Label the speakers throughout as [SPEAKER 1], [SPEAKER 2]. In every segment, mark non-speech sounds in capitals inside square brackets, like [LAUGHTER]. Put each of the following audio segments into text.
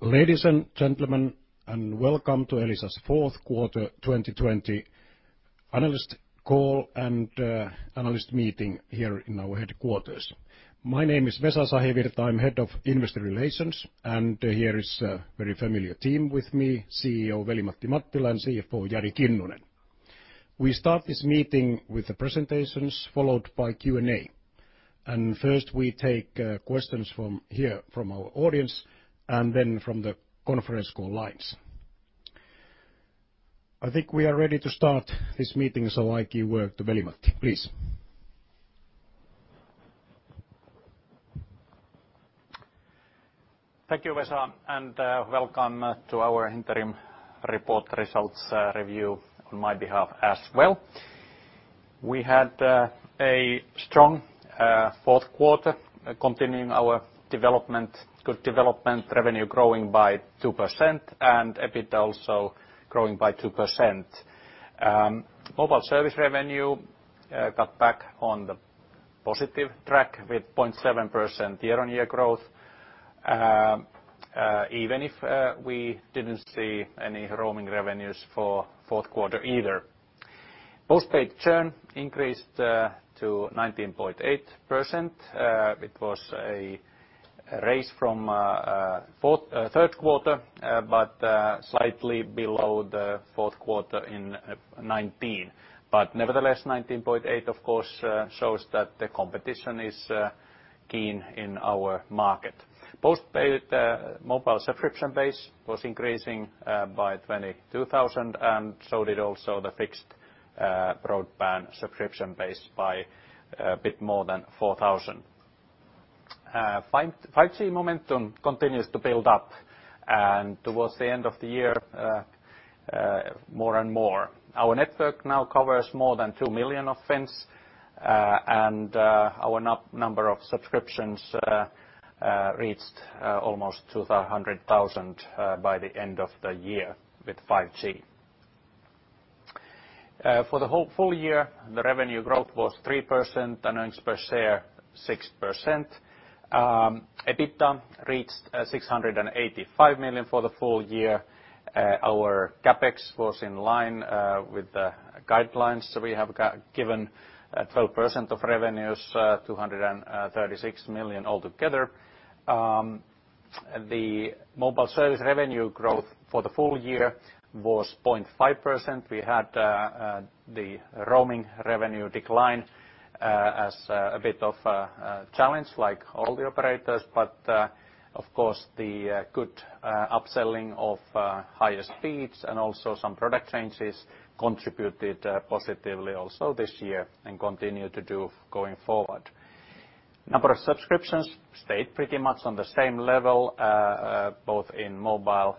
[SPEAKER 1] Ladies and gentlemen, welcome to Elisa's fourth quarter 2020 analyst call and analyst meeting here in our headquarters. My name is Vesa Sahivirta. I'm Head of Investor Relations, and here is a very familiar team with me, CEO Veli-Matti Mattila and CFO Jari Kinnunen. We start this meeting with the presentations followed by Q&A. First, we take questions from here, from our audience, and then from the conference call lines. I think we are ready to start this meeting, so I give word to Veli-Matti, please.
[SPEAKER 2] Thank you, Vesa, and welcome to our interim report results review on my behalf as well. We had a strong fourth quarter continuing our good development, revenue growing by 2%, and EBITDA also growing by 2%. Mobile service revenue got back on the positive track with 0.7% year-on-year growth, even if we didn't see any roaming revenues for fourth quarter either. Postpaid churn increased to 19.8%. It was a raise from third quarter, but slightly below the fourth quarter in 2019. Nevertheless, 19.8% of course shows that the competition is keen in our market. Postpaid mobile subscription base was increasing by 22,000, and so did also the fixed broadband subscription base by a bit more than 4,000. 5G momentum continues to build up, and towards the end of the year, more and more. Our network now covers more than 2 million of Finns. Our number of subscriptions reached almost 200,000 by the end of the year with 5G. For the whole full year, the revenue growth was 3%, earnings per share 6%. EBITDA reached 685 million for the full year. Our CapEx was in line with the guidelines. We have given 12% of revenues, 236 million altogether. The mobile service revenue growth for the full year was 0.5%. We had the roaming revenue decline as a bit of a challenge like all the operators. Of course, the good upselling of higher speeds and also some product changes contributed positively also this year and continue to do going forward. Number of subscriptions stayed pretty much on the same level, both in mobile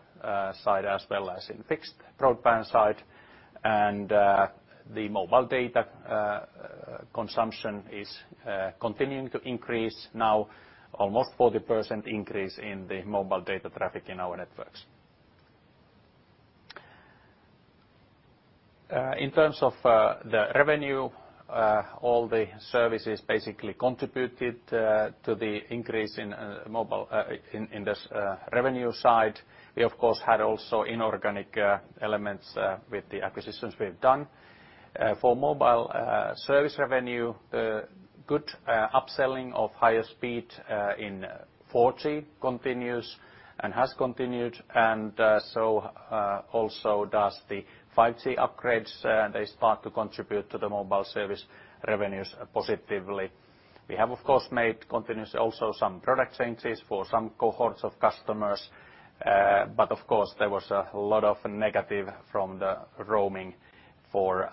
[SPEAKER 2] side as well as in fixed broadband side. The mobile data consumption is continuing to increase now, almost 40% increase in the mobile data traffic in our networks. In terms of the revenue, all the services basically contributed to the increase in this revenue side. We of course had also inorganic elements with the acquisitions we've done. For mobile service revenue, good upselling of higher speed in 4G continues and has continued, so also does the 5G upgrades, they start to contribute to the mobile service revenues positively. We have of course made continuous also some product changes for some cohorts of customers. Of course, there was a lot of negative from the roaming for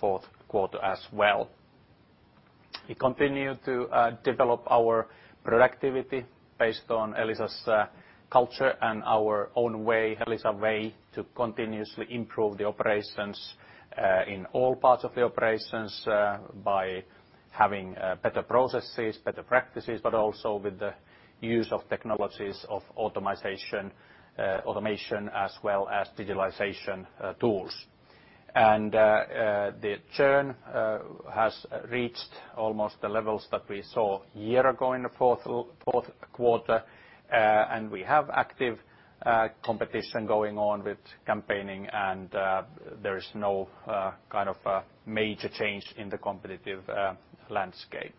[SPEAKER 2] fourth quarter as well. We continue to develop our productivity based on Elisa's culture and our own way, Elisa way, to continuously improve the operations in all parts of the operations by having better processes, better practices, but also with the use of technologies of automatization, automation as well as digitalization tools. The churn has reached almost the levels that we saw a year ago in the fourth quarter, and we have active competition going on with campaigning and there is no major change in the competitive landscape.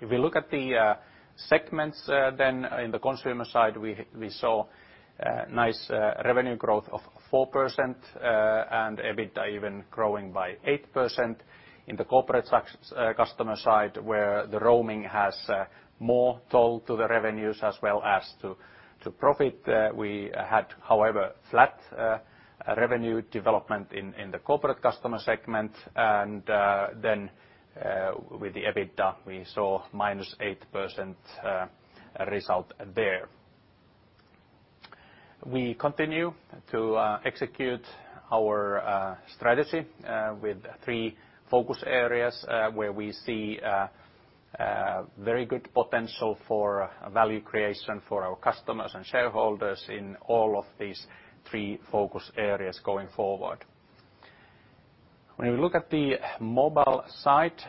[SPEAKER 2] If we look at the segments, in the consumer side, we saw nice revenue growth of 4% and EBITDA even growing by 8%. In the corporate customer side, where the roaming has more toll to the revenues as well as to profit. We had, however, flat revenue development in the corporate customer segment. With the EBITDA, we saw -8% result there. We continue to execute our strategy with three focus areas where we see very good potential for value creation for our customers and shareholders in all of these three focus areas going forward. When we look at the mobile side,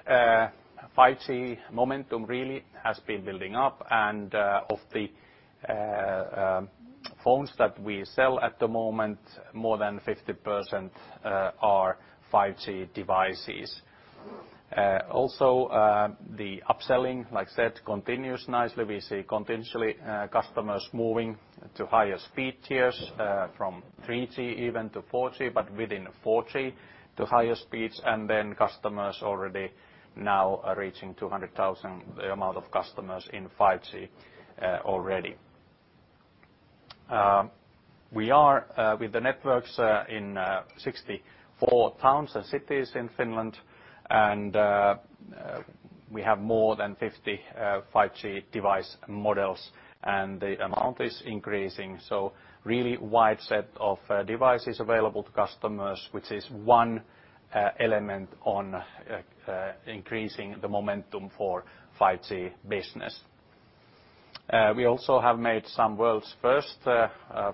[SPEAKER 2] 5G momentum really has been building up, and of the phones that we sell at the moment, more than 50% are 5G devices. Also, the upselling, like I said, continues nicely. We see continuously customers moving to higher speed tiers from 3G even to 4G, but within 4G to higher speeds, and then customers already now are reaching 200,000, the amount of customers in 5G already. We are with the networks in 64 towns and cities in Finland, and we have more than 50 5G device models, and the amount is increasing. Really wide set of devices available to customers, which is one element on increasing the momentum for 5G business. We also have made some world's first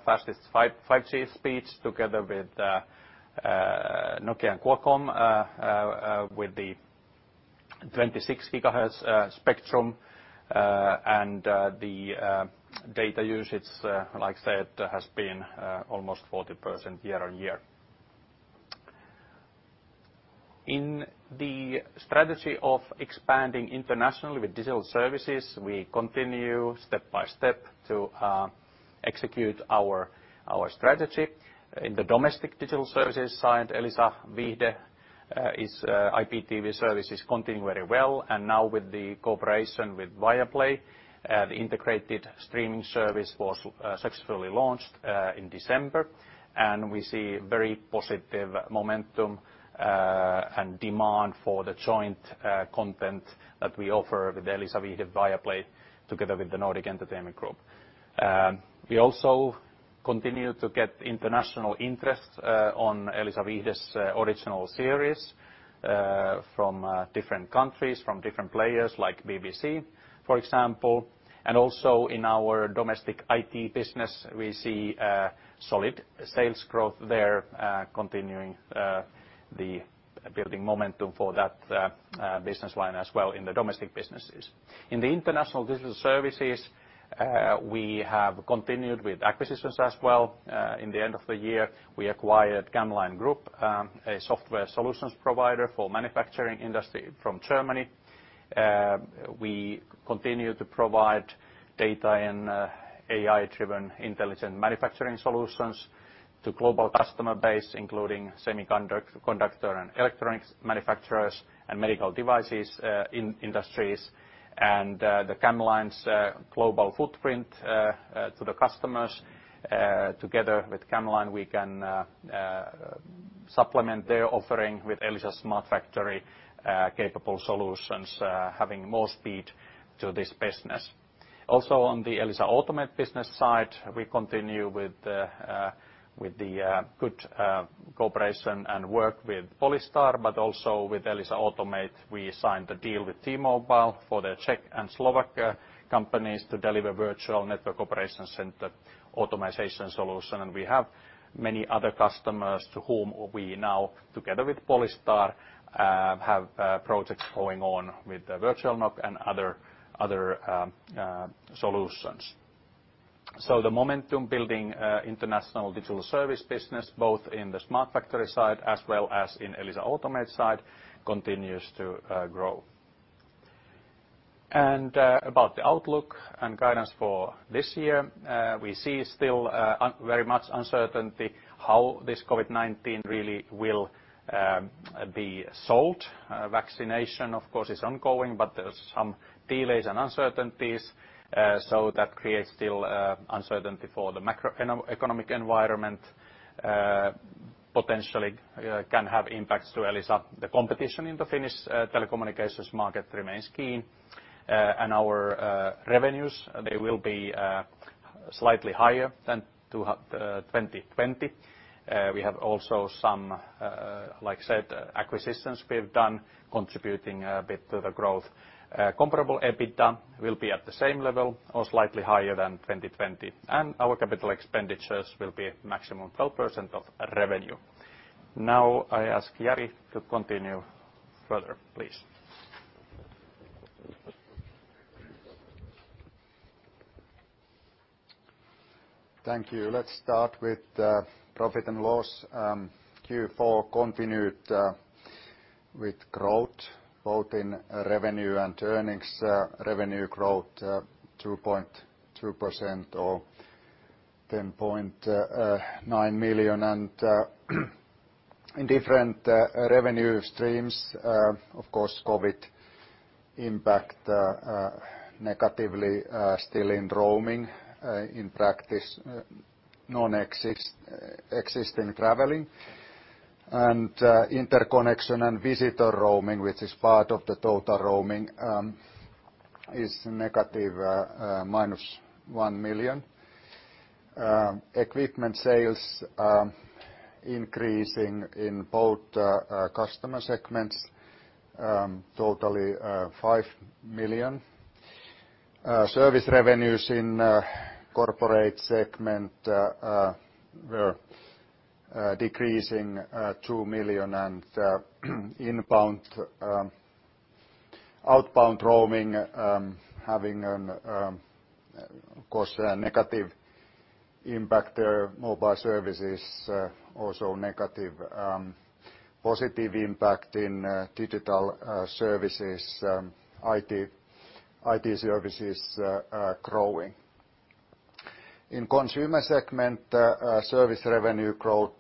[SPEAKER 2] fastest 5G speeds together with Nokia and Qualcomm with the 26 GHz spectrum. The data usage, like I said, has been almost 40% year-on-year. In the strategy of expanding internationally with digital services, we continue step by step to execute our strategy. In the domestic digital services side, Elisa Viihde, its IPTV services continue very well. Now with the cooperation with Viaplay, the integrated streaming service was successfully launched in December. We see very positive momentum and demand for the joint content that we offer with Elisa Viihde Viaplay together with the Nordic Entertainment Group. We also continue to get international interest on Elisa Viihde's original series, from different countries, from different players like BBC, for example. Also in our domestic IT business, we see solid sales growth there, continuing the building momentum for that business line as well in the domestic businesses. In the international digital services, we have continued with acquisitions as well. In the end of the year, we acquired camLine Group, a software solutions provider for manufacturing industry from Germany. We continue to provide data and AI-driven intelligent manufacturing solutions to global customer base, including semiconductor and electronics manufacturers and medical devices industries. The camLine's global footprint to the customers. Together with camLine, we can supplement their offering with Elisa Smart Factory capable solutions, having more speed to this business. On the Elisa Automate business side, we continue with the good cooperation and work with Polystar, also with Elisa Automate, we signed a deal with T-Mobile for their Czech and Slovak companies to deliver virtual network operations center automization solution. We have many other customers to whom we now, together with Polystar have projects going on with the virtual NOC and other solutions. The momentum building international digital service business, both in the Smart Factory side as well as in Elisa Automate side, continues to grow. About the outlook and guidance for this year, we see still very much uncertainty how this COVID-19 really will be solved. Vaccination, of course, is ongoing, there's some delays and uncertainties, that creates still uncertainty for the macroeconomic environment, potentially can have impacts to Elisa. The competition in the Finnish telecommunications market remains keen. Our revenues, they will be slightly higher than 2020. We have also some, like I said, acquisitions we've done contributing a bit to the growth. Comparable EBITDA will be at the same level or slightly higher than 2020. Our capital expenditures will be maximum 12% of revenue. Now I ask Jari to continue further, please.
[SPEAKER 3] Thank you. Let's start with profit and loss. Q4 continued with growth both in revenue and earnings. Revenue growth 2.2% or 10.9 million. In different revenue streams, of course, COVID impact negatively still in roaming. In practice, non-existing traveling. Interconnection and visitor roaming, which is part of the total roaming, is negative -1 million. Equipment sales increasing in both customer segments, totally 5 million. Service revenues in corporate segment were decreasing EUR 2 million, and outbound roaming having an, of course, negative impact there. Mobile services also negative. Positive impact in digital services, IT services are growing. In consumer segment, service revenue growth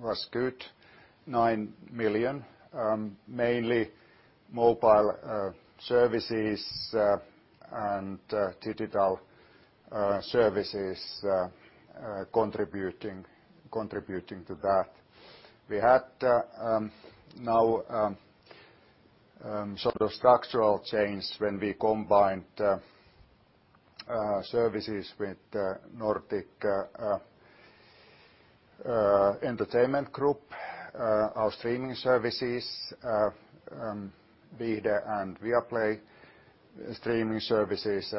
[SPEAKER 3] was good, 9 million, mainly mobile services and digital services contributing to that. We had now structural change when we combined services with the Nordic Entertainment Group, our streaming services, Viihde and Viaplay streaming services,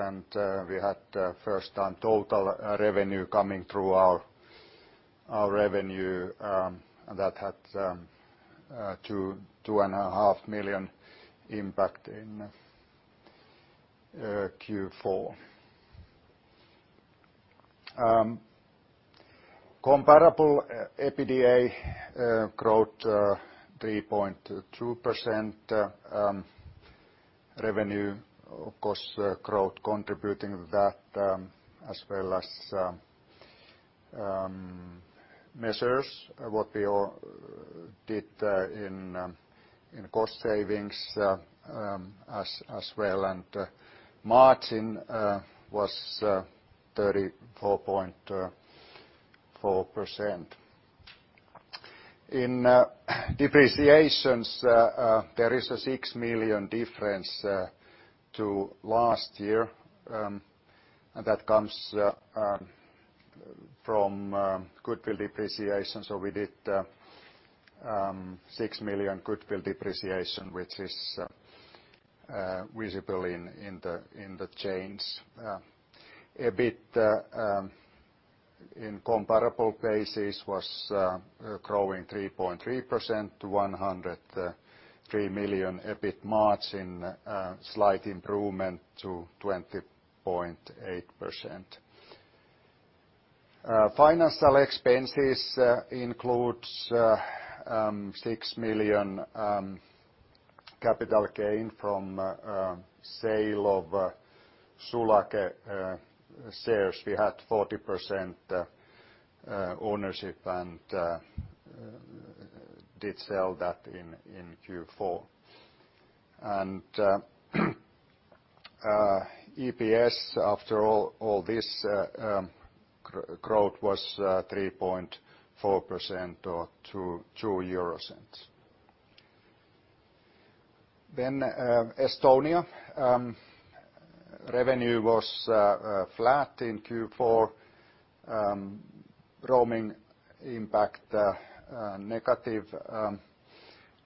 [SPEAKER 3] we had first-time total revenue coming through our revenue that had 2.5 million impact in Q4. Comparable EBITDA growth, 3.2%. Revenue, of course, growth contributing to that as well as measures, what we all did in cost savings as well. Margin was 34.4%. In depreciations, there is a 6 million difference to last year. That comes from goodwill depreciation. We did 6 million goodwill depreciation, which is visible in the chains. EBIT in comparable basis was growing 3.3% to 103 million. EBIT margin, a slight improvement to 20.8%. Financial expenses includes 6 million capital gain from sale of Sulake shares. We had 40% ownership and did sell that in Q4. EPS, after all this growth, was 3.4% or EUR 2. In Estonia, revenue was flat in Q4. Roaming impact negative.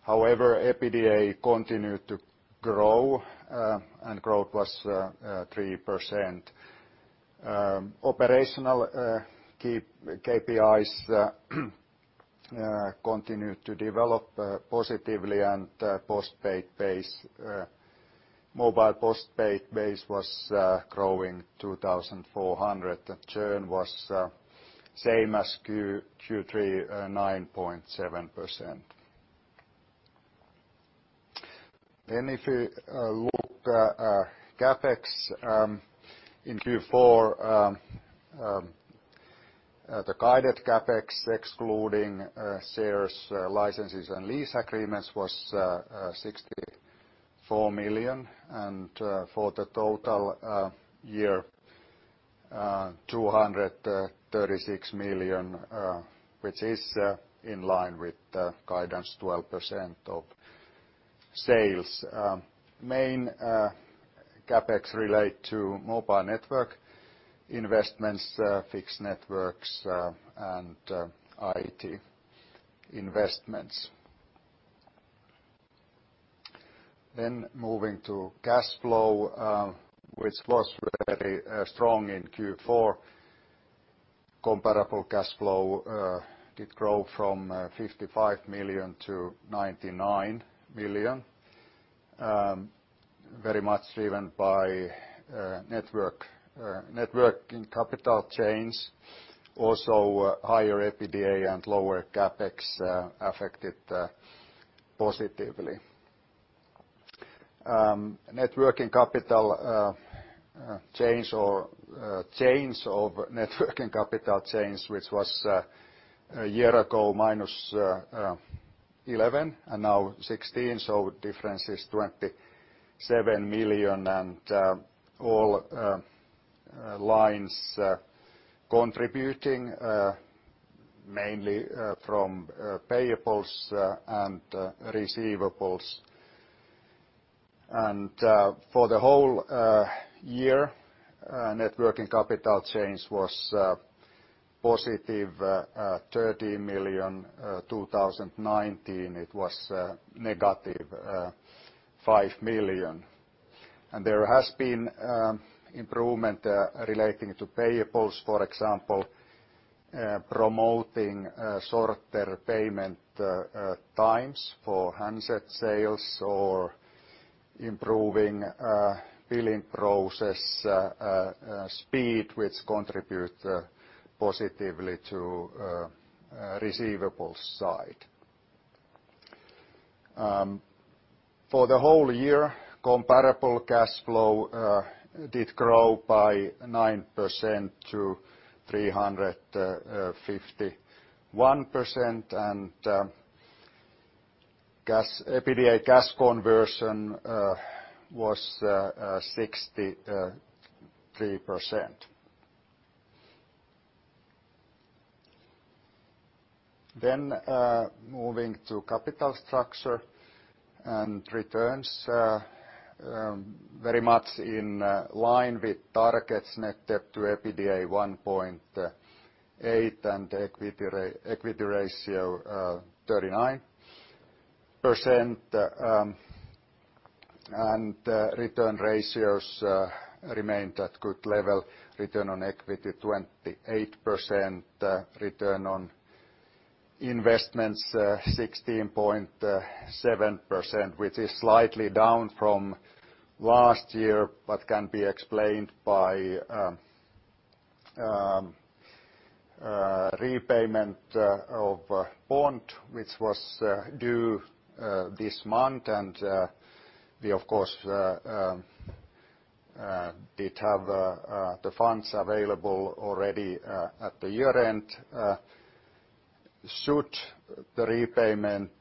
[SPEAKER 3] However, EBITDA continued to grow, and growth was 3%. Operational KPIs continued to develop positively, and mobile postpaid base was growing 2,400. The churn was same as Q3, 9.7%. If you look at CapEx in Q4, the guided CapEx, excluding shares, licenses, and lease agreements, was 64 million, and for the total year, 236 million, which is in line with the guidance, 12% of sales. Main CapEx relate to mobile network investments, fixed networks, and IT investments. Moving to cash flow, which was very strong in Q4. Comparable cash flow did grow from 55 million to 99 million, very much driven by network, networking capital change. Also, higher EBITDA and lower CapEx affected positively. Net working capital change, or change of net working capital change, which was a year ago -11 million, and now -16 million, so difference is 27 million. All lines contributing mainly from payables and receivables. For the whole year, net working capital change was +30 million. 2019 it was -5 million. There has been improvement relating to payables, for example promoting shorter payment times for handset sales or improving billing process speed, which contribute positively to receivables side. For the whole year, comparable cash flow did grow by 9% to EUR 351 million. EBITDA cash conversion was 63%. Moving to capital structure and returns, very much in line with targets net debt to EBITDA 1.8. Equity ratio 39%. Return ratios remained at good level. Return on equity 28%, return on investments 16.7%, which is slightly down from last year, but can be explained by repayment of bond, which was due this month. We, of course did have the funds available already at the year-end. Should the repayment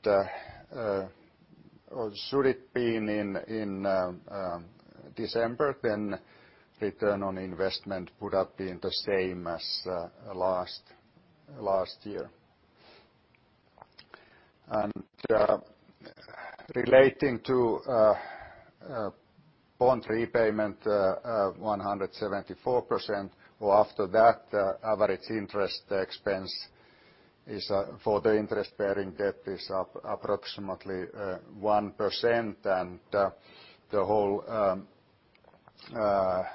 [SPEAKER 3] or should it been in December, then return on investment would have been the same as last year. Relating to bond repayment of 174% or after that, average interest expense for the interest-bearing debt is approximately 1%. The whole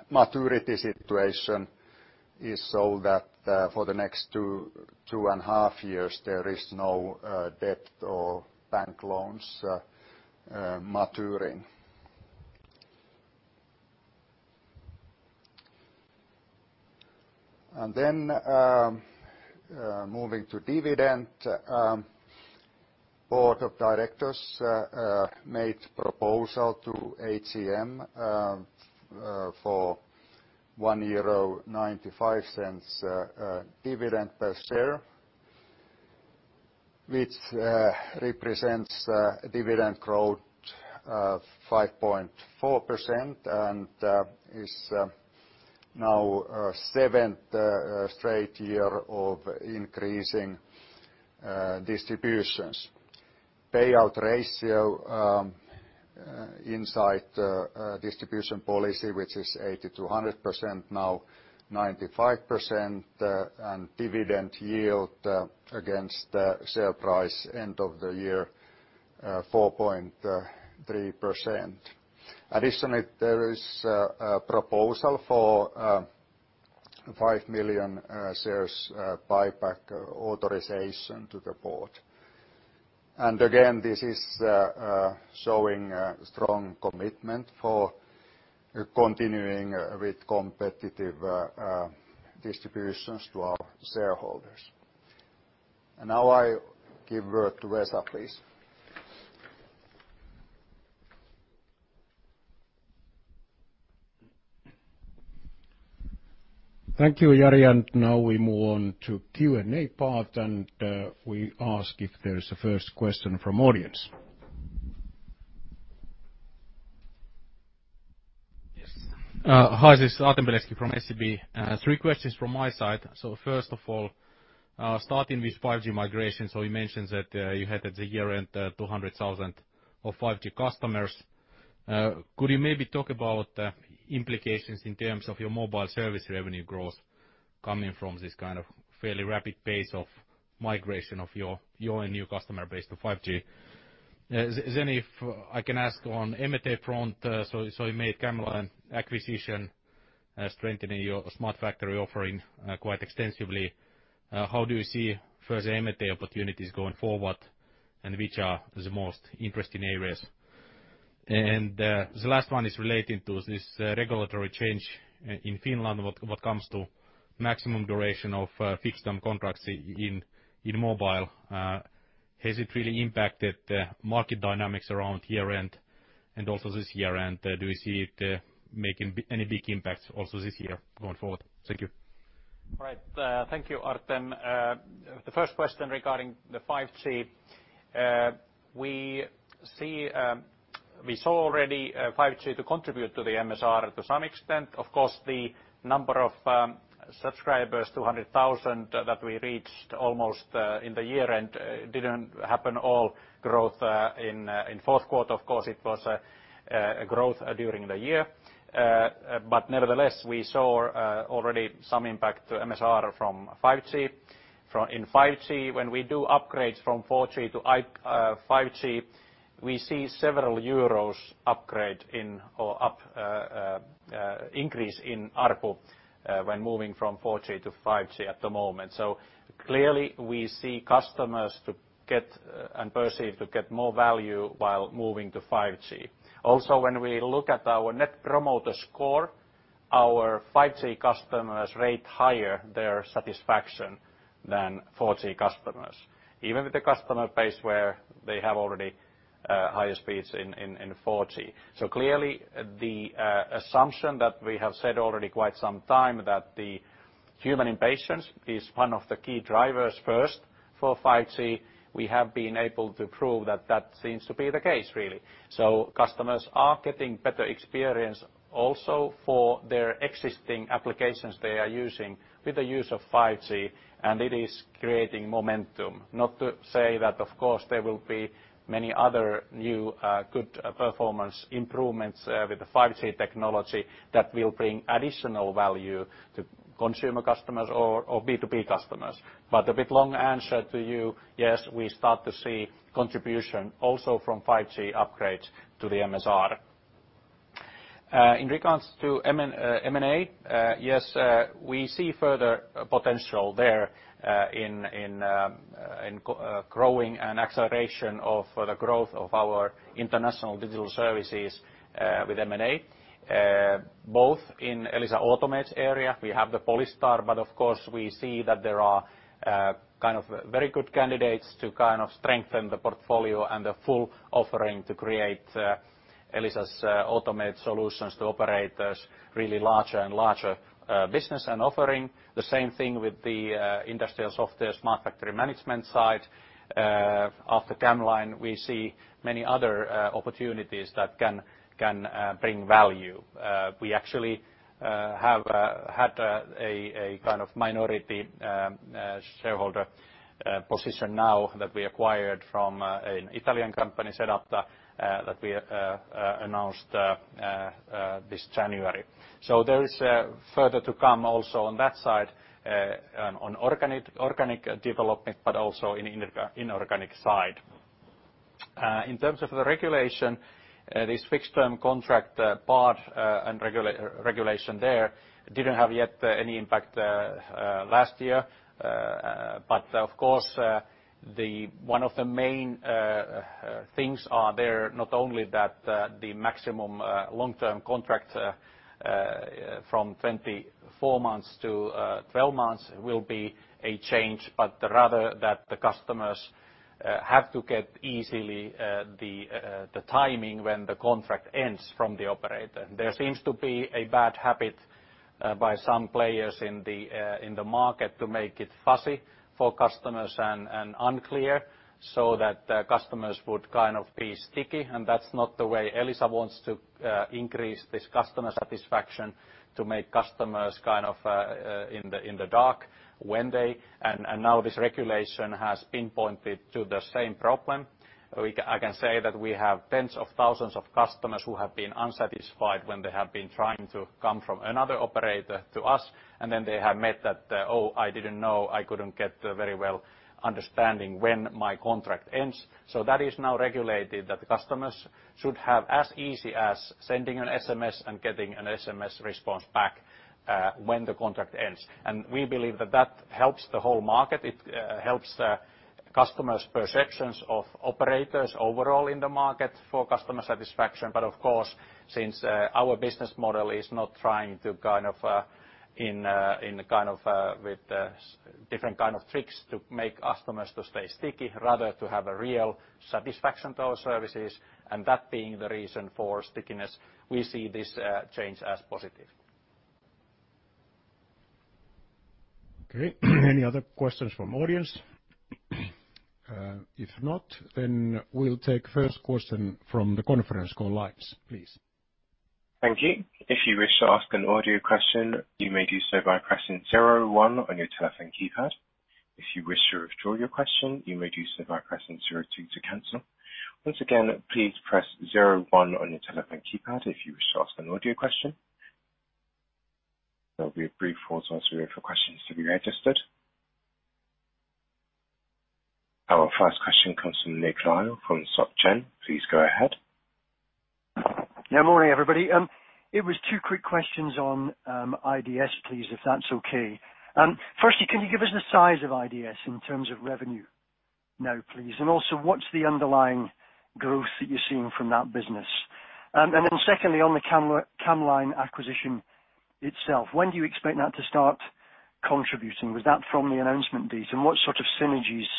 [SPEAKER 3] maturity situation is so that for the next two and a half years, there is no debt or bank loans maturing. Moving to dividend, board of directors made proposal to AGM for 1.95 euro dividend per share, which represents dividend growth of 5.4% and is now seventh straight year of increasing distributions. Payout ratio inside distribution policy, which is 80%-100%, now 95%, and dividend yield against the share price end of the year 4.3%. Additionally, there is a proposal for 5 million shares buyback authorization to the board. Again, this is showing strong commitment for continuing with competitive distributions to our shareholders. Now I give word to Vesa, please.
[SPEAKER 1] Thank you, Jari, and now we move on to Q&A part, and we ask if there is a first question from audience.
[SPEAKER 4] Yes. Hi, this is Artem Beletski from SEB. Three questions from my side. First of all, starting with 5G migration. You mentioned that you had at the year-end 200,000 of 5G customers. Could you maybe talk about implications in terms of your mobile service revenue growth coming from this kind of fairly rapid pace of migration of your new customer base to 5G? I can ask on M&A front, you made camLine acquisition, strengthening your Smart Factory offering quite extensively. How do you see further M&A opportunities going forward, and which are the most interesting areas? The last one is relating to this regulatory change in Finland, what comes to maximum duration of fixed term contracts in mobile. Has it really impacted the market dynamics around year-end and also this year-end? Do you see it making any big impacts also this year going forward? Thank you.
[SPEAKER 2] All right. Thank you, Artem. The first question regarding the 5G, we see. We saw already 5G to contribute to the MSR to some extent. The number of subscribers, 200,000 that we reached almost in the year-end, didn't happen all growth in fourth quarter, it was a growth during the year. Nevertheless, we saw already some impact to MSR from 5G. In 5G, when we do upgrades from 4G to 5G, we see several euros upgrade or increase in ARPU when moving from 4G to 5G at the moment. Clearly, we see customers to get and perceive to get more value while moving to 5G. Also, when we look at our net promoter score, our 5G customers rate higher their satisfaction than 4G customers. Even with the customer base where they have already higher speeds in 4G. Clearly, the assumption that we have said already quite some time that the human impatience is one of the key drivers first for 5G. We have been able to prove that that seems to be the case, really. Customers are getting better experience also for their existing applications they are using with the use of 5G, and it is creating momentum. Not to say that, of course, there will be many other new good performance improvements with the 5G technology that will bring additional value to consumer customers or B2B customers. A bit long answer to you, yes, we start to see contribution also from 5G upgrades to the MSR. In regards to M&A, yes, we see further potential there in growing and acceleration of the growth of our international digital services with M&A. Both in Elisa Automate area, we have the Polystar. Of course, we see that there are very good candidates to strengthen the portfolio and the full offering to create Elisa's Automate solutions to operators, really larger and larger business and offering. The same thing with the industrial software smart factory management side. After camLine, we see many other opportunities that can bring value. We actually have had a kind of minority shareholder position now that we acquired from an Italian company, sedApta, that we announced this January. There is further to come also on that side on organic development, but also in inorganic side. In terms of the regulation, this fixed-term contract part and regulation there didn't have yet any impact last year. Of course, one of the main things are there, not only that the maximum long-term contract from 24 months to 12 months will be a change, but rather that the customers have to get easily the timing when the contract ends from the operator. There seems to be a bad habit by some players in the market to make it fuzzy for customers and unclear so that customers would kind of be sticky. That's not the way Elisa wants to increase this customer satisfaction to make customers in the dark. Now this regulation has pinpointed to the same problem. I can say that we have tens of thousands of customers who have been unsatisfied when they have been trying to come from another operator to us, and then they have met that, "Oh, I didn't know. I couldn't get very well understanding when my contract ends." That is now regulated, that the customers should have as easy as sending an SMS and getting an SMS response back when the contract ends. We believe that that helps the whole market. It helps the customers' perceptions of operators overall in the market for customer satisfaction. Of course, since our business model is not trying with different kind of tricks to make customers to stay sticky, rather to have a real satisfaction to our services, and that being the reason for stickiness, we see this change as positive.
[SPEAKER 1] Okay. Any other questions from audience? If not, we'll take first question from the conference call lines, please.
[SPEAKER 5] Our first question comes from Nick Lyall from SocGen. Please go ahead.
[SPEAKER 6] Yeah, morning, everybody. It was two quick questions on IDS, please, if that's okay. Firstly, can you give us the size of IDS in terms of revenue now, please? Also, what's the underlying growth that you're seeing from that business? Secondly, on the camLine acquisition itself, when do you expect that to start contributing? Was that from the announcement date? What sort of synergies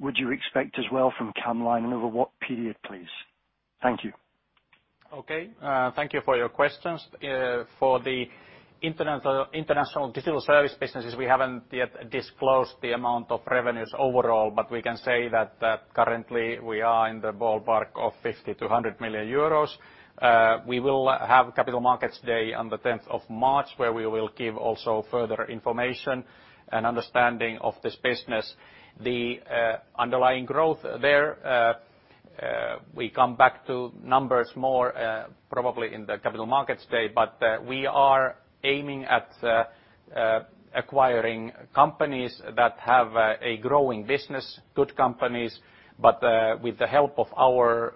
[SPEAKER 6] would you expect as well from camLine and over what period, please? Thank you.
[SPEAKER 2] Okay. Thank you for your questions. For the international digital service businesses, we haven't yet disclosed the amount of revenues overall, but we can say that currently we are in the ballpark of 50 million-100 million euros. We will have Capital Markets Day on the 10th of March, where we will give also further information and understanding of this business. The underlying growth there, we come back to numbers more probably in the Capital Markets Day. We are aiming at acquiring companies that have a growing business, good companies. With the help of our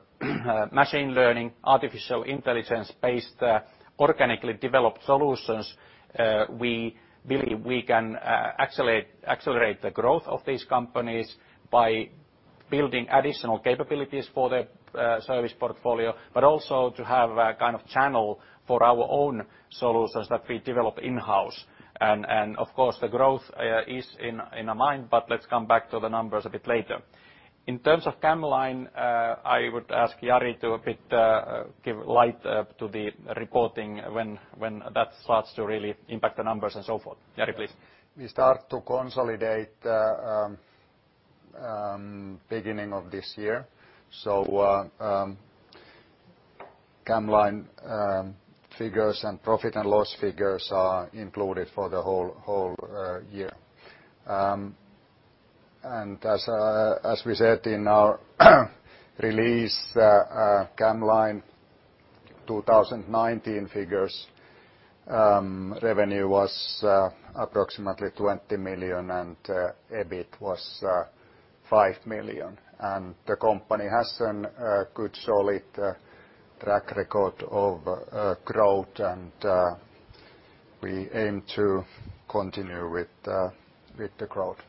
[SPEAKER 2] machine learning, artificial intelligence-based organically developed solutions, we believe we can accelerate the growth of these companies by building additional capabilities for the service portfolio, but also to have a kind of channel for our own solutions that we develop in-house. Of course, the growth is in our mind, let's come back to the numbers a bit later. In terms of camLine, I would ask Jari to a bit give light to the reporting when that starts to really impact the numbers and so forth. Jari, please.
[SPEAKER 3] We start to consolidate beginning of this year. camLine figures and profit and loss figures are included for the whole year. As we said in our release, camLine 2019 figures, revenue was approximately 20 million, and EBIT was 5 million. The company has a good, solid track record of growth, and we aim to continue with the growth.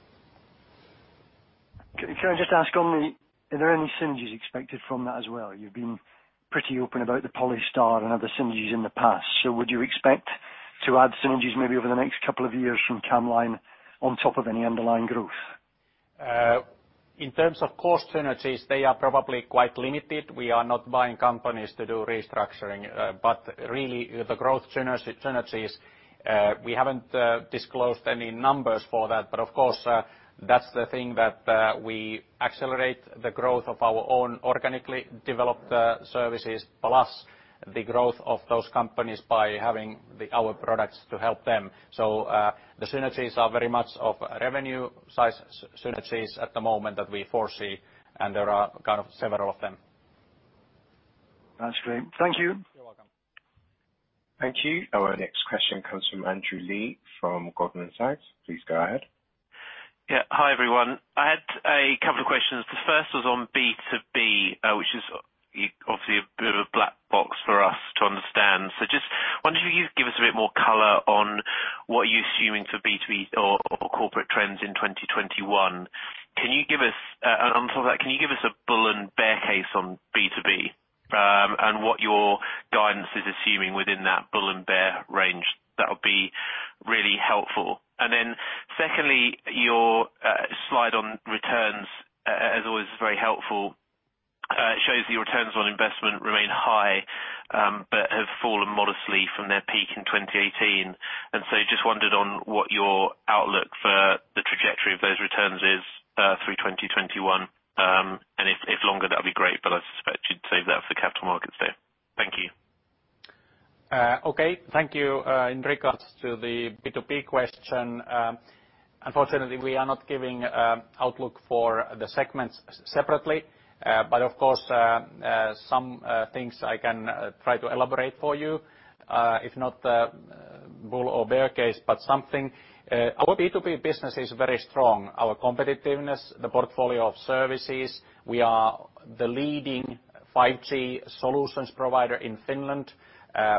[SPEAKER 6] Are there any synergies expected from that as well? You've been pretty open about the Polystar and other synergies in the past. Would you expect to add synergies maybe over the next couple of years from camLine on top of any underlying growth?
[SPEAKER 2] In terms of cost synergies, they are probably quite limited. We are not buying companies to do restructuring. Really, the growth synergies, we haven't disclosed any numbers for that, but of course, that's the thing that we accelerate the growth of our own organically developed services, plus the growth of those companies by having our products to help them. The synergies are very much of revenue size synergies at the moment that we foresee, and there are kind of several of them.
[SPEAKER 6] That's great. Thank you.
[SPEAKER 2] You're welcome.
[SPEAKER 5] Thank you. Our next question comes from Andrew Lee from Goldman Sachs. Please go ahead.
[SPEAKER 7] Yeah. Hi, everyone. I had a couple of questions. The first was on B2B, which is obviously a bit of a black box for us to understand. Just wondering if you could give us a bit more color on what you're assuming for B2B or corporate trends in 2021. On top of that, can you give us a bull and bear case on B2B, and what your guidance is assuming within that bull and bear range? That'll be really helpful. Secondly, your slide on returns, as always, is very helpful. It shows the returns on investment remain high, but have fallen modestly from their peak in 2018. Just wondered on what your outlook for the trajectory of those returns is through 2021. If longer, that'd be great, but I suspect you'd save that for Capital Markets Day. Thank you.
[SPEAKER 2] Okay. Thank you. In regards to the B2B question, unfortunately, we are not giving outlook for the segments separately. Of course, some things I can try to elaborate for you, if not bull or bear case, but something. Our B2B business is very strong. Our competitiveness, the portfolio of services. We are the leading 5G solutions provider in Finland.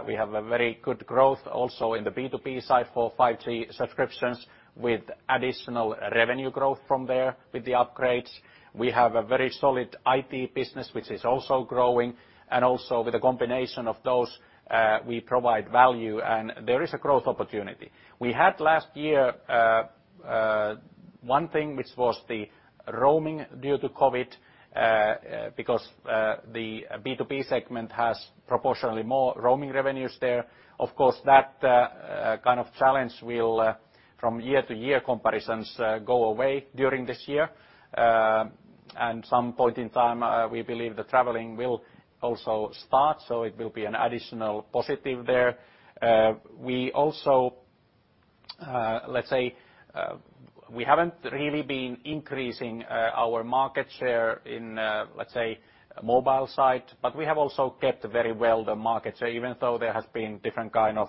[SPEAKER 2] We have a very good growth also in the B2B side for 5G subscriptions, with additional revenue growth from there with the upgrades. We have a very solid IT business, which is also growing. Also with a combination of those, we provide value and there is a growth opportunity. We had last year, one thing, which was the roaming due to COVID, because the B2B segment has proportionally more roaming revenues there. Of course, that kind of challenge will, from year-to-year comparisons, go away during this year. Some point in time, we believe the traveling will also start, so it will be an additional positive there. Let's say we haven't really been increasing our market share in mobile side. We have also kept very well the market share, even though there has been different kind of,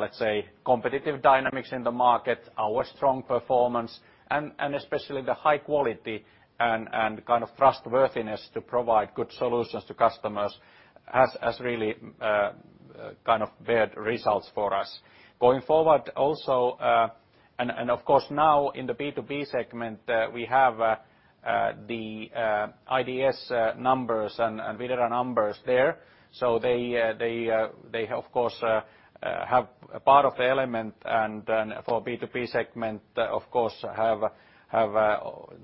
[SPEAKER 2] let's say competitive dynamics in the market. Our strong performance and especially the high quality and kind of trustworthiness to provide good solutions to customers has really kind of beared results for us. Going forward, also. Of course now in the B2B segment, we have the IDS numbers and Videra numbers there. They of course have a part of the element. For B2B segment, of course, have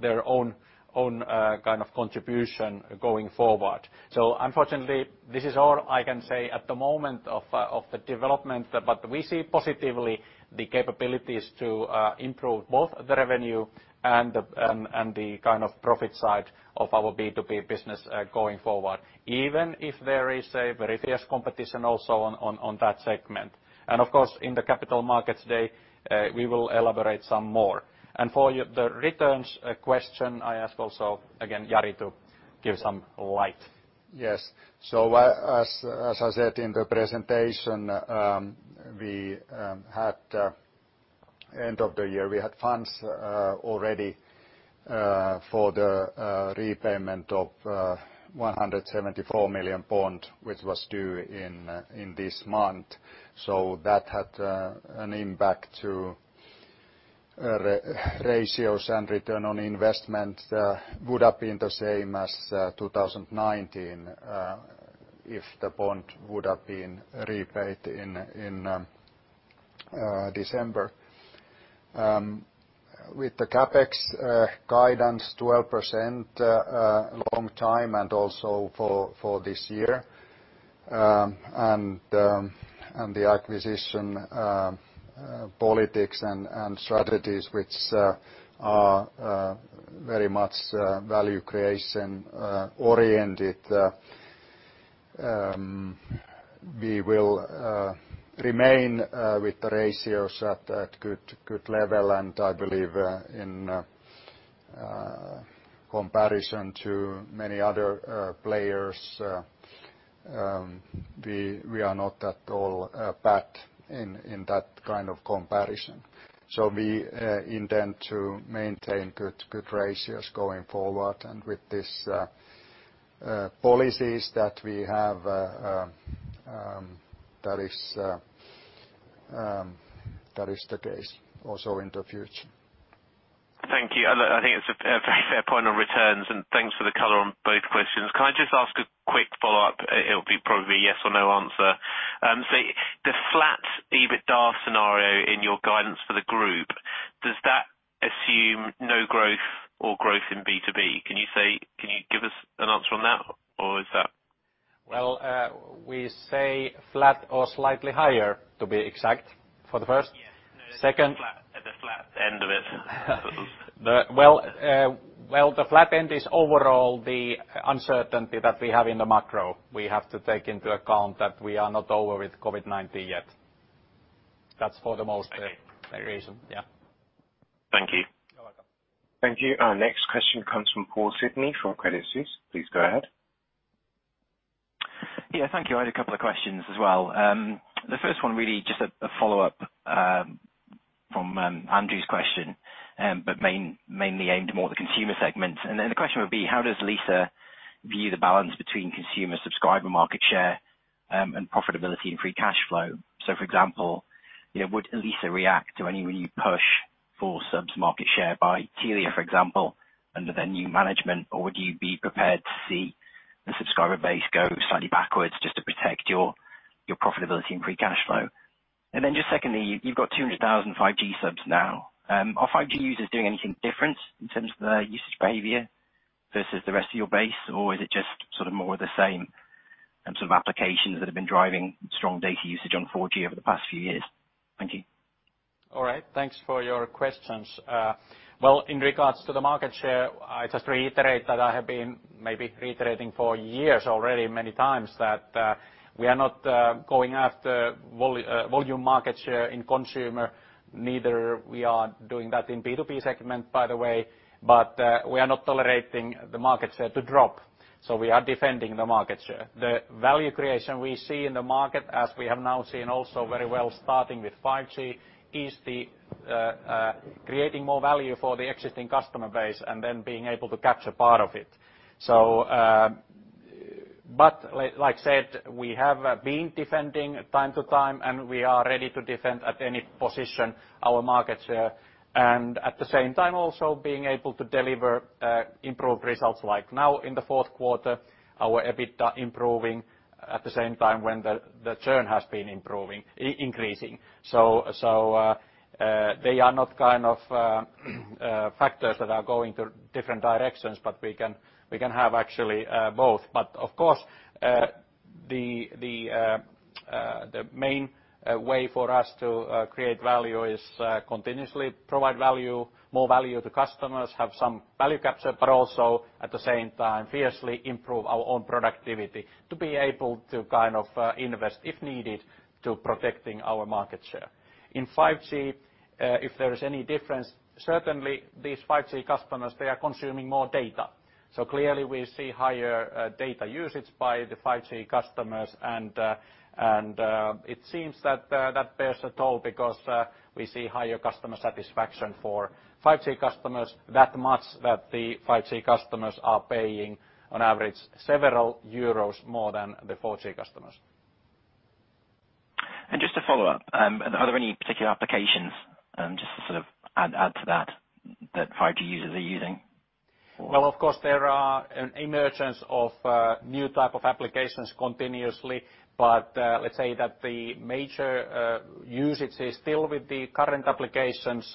[SPEAKER 2] their own kind of contribution going forward. Unfortunately this is all I can say at the moment of the development, but we see positively the capabilities to improve both the revenue and the kind of profit side of our B2B business going forward, even if there is a very fierce competition also on that segment. Of course, in the Capital Markets Day, we will elaborate some more. For the returns question, I ask also again, Jari, to give some light.
[SPEAKER 3] As I said in the presentation, end of the year, we had funds already for the repayment of 174 million, which was due in this month. That had an impact to ratios and return on investment. Would have been the same as 2019, if the bond would have been repaid in December. With the CapEx guidance 12%, long time and also for this year. The acquisition politics and strategies which are very much value creation oriented, we will remain with the ratios at good level. I believe in comparison to many other players, we are not at all bad in that kind of comparison. We intend to maintain good ratios going forward. With this policies that we have, that is the case also in the future.
[SPEAKER 7] Thank you. I think it's a very fair point on returns and thanks for the color on both questions. Can I just ask a quick follow-up? It'll be probably a yes or no answer. The flat EBITDA scenario in your guidance for the group, does that assume no growth or growth in B2B? Can you give us an answer on that?
[SPEAKER 2] Well, we say flat or slightly higher to be exact, for the first? Second?
[SPEAKER 7] At the flat end of it.
[SPEAKER 2] Well, the flat end is overall the uncertainty that we have in the macro. We have to take into account that we are not over with COVID-19 yet. That's for the most reason. Yeah.
[SPEAKER 7] Thank you.
[SPEAKER 2] You're welcome.
[SPEAKER 5] Thank you. Our next question comes from Paul Sidney from Credit Suisse. Please go ahead.
[SPEAKER 8] Thank you. I had a couple of questions as well. First one, really just a follow-up from Andrew's question, but mainly aimed more at the consumer segment. The question would be, how does Elisa view the balance between consumer subscriber market share and profitability and free cash flow? For example, would Elisa react to any new push for subs market share by Telia, for example, under their new management, or would you be prepared to see the subscriber base go slightly backwards just to protect your profitability and free cash flow? Just secondly, you've got 200,000 5G subs now. Are 5G users doing anything different in terms of their usage behavior versus the rest of your base, or is it just sort of more of the same sort of applications that have been driving strong data usage on 4G over the past few years? Thank you.
[SPEAKER 2] All right. Thanks for your questions. Well, in regards to the market share, I just reiterate that I have been maybe reiterating for years already many times that we are not going after volume market share in consumer, neither we are doing that in B2B segment, by the way. We are not tolerating the market share to drop. We are defending the market share. The value creation we see in the market, as we have now seen also very well starting with 5G, is the creating more value for the existing customer base and then being able to capture part of it. Like I said, we have been defending time to time, and we are ready to defend at any position our market share. At the same time also being able to deliver improved results like now in the fourth quarter, our EBITDA improving at the same time when the churn has been increasing. They are not kind of factors that are going to different directions, but we can have actually both. Of course, the main way for us to create value is continuously provide more value to customers, have some value capture, but also at the same time fiercely improve our own productivity to be able to invest if needed to protecting our market share. In 5G, if there is any difference, certainly these 5G customers they are consuming more data. Clearly we see higher data usage by the 5G customers. It seems that bears a toll because we see higher customer satisfaction for 5G customers that much that the 5G customers are paying on average several euros more than the 4G customers.
[SPEAKER 8] Just to follow up, are there any particular applications, just to add to that 5G users are using for?
[SPEAKER 2] Well, of course, there are an emergence of new type of applications continuously. Let's say that the major usage is still with the current applications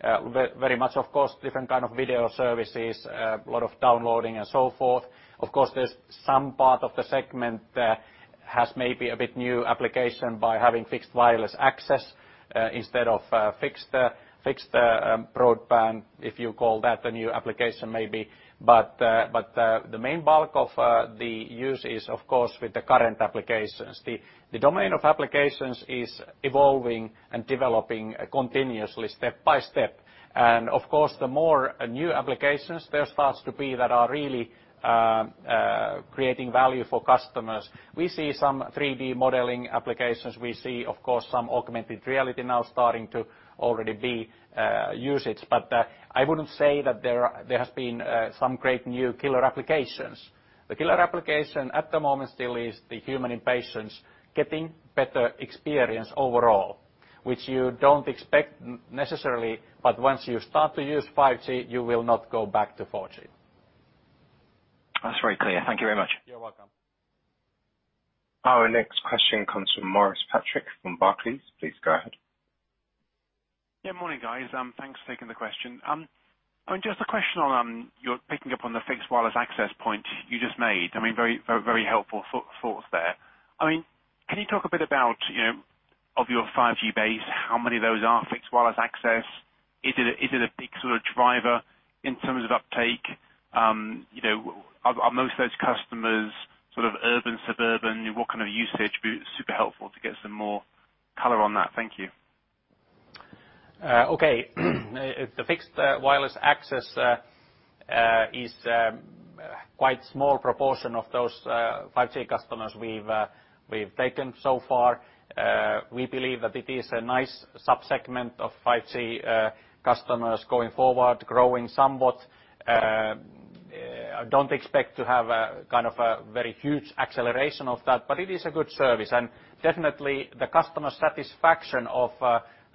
[SPEAKER 2] very much, of course, different kind of video services, a lot of downloading and so forth. Of course, there's some part of the segment that has maybe a bit new application by having fixed wireless access instead of fixed broadband, if you call that a new application maybe. The main bulk of the use is, of course, with the current applications. The domain of applications is evolving and developing continuously step by step. Of course, the more new applications there starts to be that are really creating value for customers. We see some 3D modeling applications. We see, of course, some augmented reality now starting to already be usage. I wouldn't say that there has been some great new killer applications. The killer application at the moment still is the human impatience getting better experience overall, which you don't expect necessarily, but once you start to use 5G, you will not go back to 4G.
[SPEAKER 8] That's very clear. Thank you very much.
[SPEAKER 2] You're welcome.
[SPEAKER 5] Our next question comes from Maurice Patrick from Barclays. Please go ahead.
[SPEAKER 9] Morning, guys. Thanks for taking the question. Just a question on, you're picking up fixed wireless access point you just made. Very helpful thoughts there. Can you talk a bit about, of your 5G base, how many of those are fixed wireless access? Is it a big driver in terms of uptake? Are most of those customers sort of urban, suburban? What kind of usage? It would be super helpful to get some more color on that. Thank you.
[SPEAKER 2] Okay. The fixed wireless access is quite small proportion of those 5G customers we've taken so far. We believe that it is a nice sub-segment of 5G customers going forward, growing somewhat. I don't expect to have a very huge acceleration of that, but it is a good service. Definitely the customer satisfaction of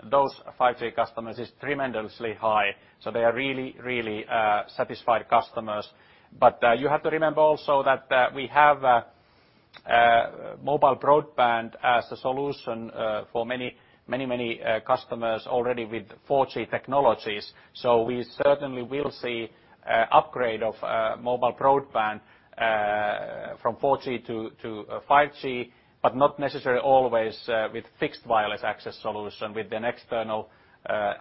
[SPEAKER 2] those 5G customers is tremendously high. They are really satisfied customers. You have to remember also that we have mobile broadband as a solution for many customers already with 4G technologies. We certainly will see upgrade of mobile broadband from 4G to 5G, but not necessarily always with fixed wireless access solution with an external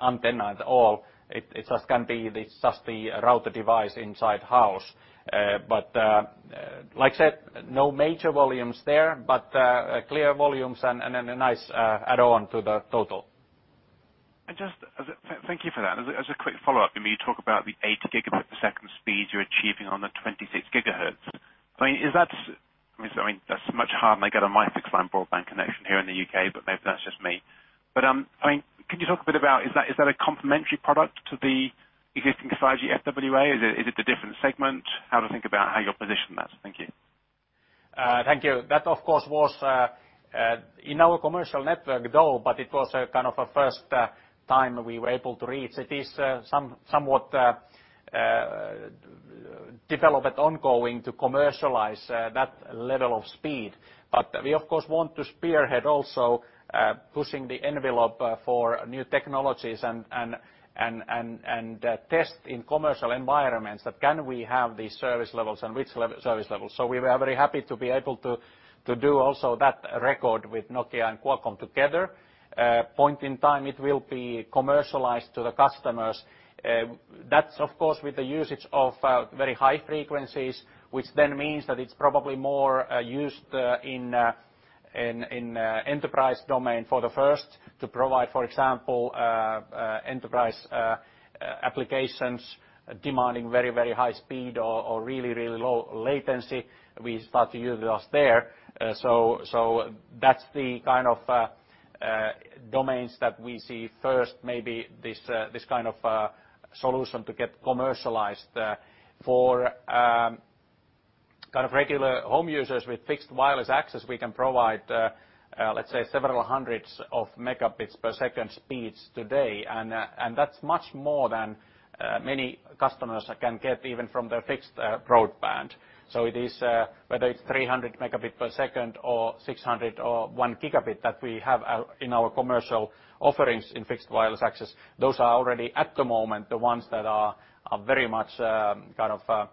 [SPEAKER 2] antenna at all. It just can be just the router device inside house. Like I said, no major volumes there, but clear volumes and a nice add-on to the total.
[SPEAKER 9] Thank you for that. As a quick follow-up, you talk about the 8 Gbps speeds you're achieving on the 26 GHz. That's much harder than I get on my fixed line broadband connection here in the U.K., but maybe that's just me. Can you talk a bit about, is that a complementary product to the existing 5G FWA? Is it a different segment? How to think about how you position that? Thank you.
[SPEAKER 2] Thank you. That, of course, was in our commercial network, though, but it was a kind of a first time we were able to reach. It is somewhat development ongoing to commercialize that level of speed. We, of course, want to spearhead also pushing the envelope for new technologies and test in commercial environments that can we have these service levels and which service levels. We were very happy to be able to do also that record with Nokia and Qualcomm together. Point in time, it will be commercialized to the customers. That's, of course, with the usage of very high frequencies, which then means that it's probably more used in enterprise domain for the first to provide, for example, enterprise applications demanding very high speed or really low latency. We start to use those there. That's the kind of domains that we see first, maybe this kind of solution to get commercialized. For kind of regular home users with fixed wireless access, we can provide, let's say, several hundreds of megabits per second speeds today. That's much more than many customers can get even from their fixed broadband. Whether it's 300 Mbps or 600 Mbps or 1 Gbps that we have in our commercial offerings in fixed wireless access, those are already at the moment the ones that are very much kind of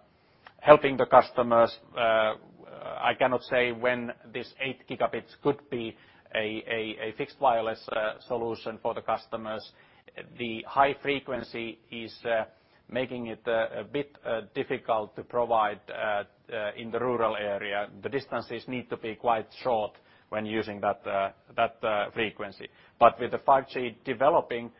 [SPEAKER 2] helping the customers. I cannot say when this 8 Gb could be a fixed wireless solution for the customers. The high frequency is making it a bit difficult to provide in the rural area. The distances need to be quite short when using that frequency. With the 5G developing,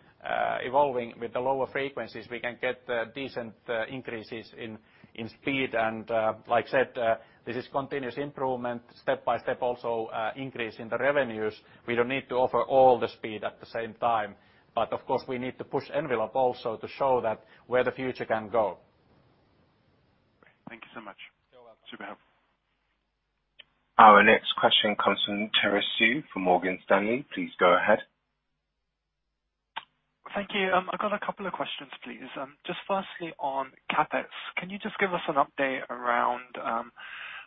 [SPEAKER 2] evolving with the lower frequencies, we can get decent increases in speed. Like I said, this is continuous improvement, step by step also increase in the revenues. We don't need to offer all the speed at the same time. Of course, we need to push envelope also to show that where the future can go.
[SPEAKER 9] Thank you so much.
[SPEAKER 2] You're welcome.
[SPEAKER 5] [INAUDIBLE] Our next question comes from Terence Tsui from Morgan Stanley. Please go ahead.
[SPEAKER 10] Thank you. I've got a couple of questions, please. Just firstly on CapEx. Can you just give us an update around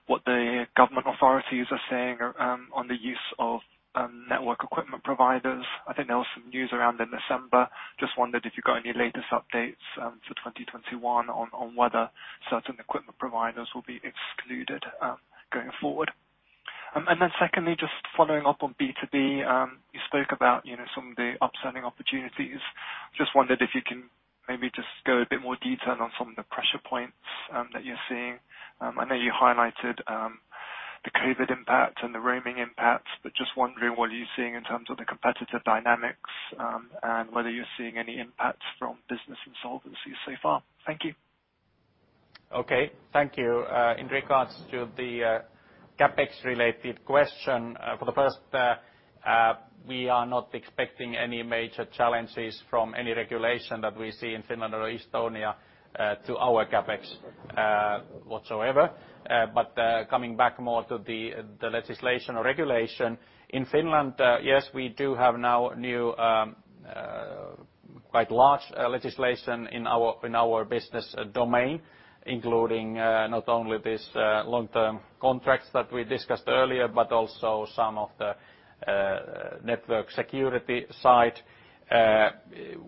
[SPEAKER 10] what the government authorities are saying on the use of network equipment providers? I think there was some news around in December. Just wondered if you got any latest updates for 2021 on whether certain equipment providers will be excluded going forward. Then secondly, just following up on B2B, you spoke about some of the upselling opportunities. Just wondered if you can maybe just go a bit more detail on some of the pressure points that you're seeing. I know you highlighted the COVID impact and the roaming impacts, but just wondering what you're seeing in terms of the competitive dynamics, and whether you're seeing any impacts from business insolvencies so far. Thank you.
[SPEAKER 2] Okay. Thank you. In regards to the CapEx related question, we are not expecting any major challenges from any regulation that we see in Finland or Estonia to our CapEx whatsoever. Coming back more to the legislation or regulation. In Finland, yes, we do have now new, quite large legislation in our business domain, including not only this long-term contracts that we discussed earlier, but also some of the network security side.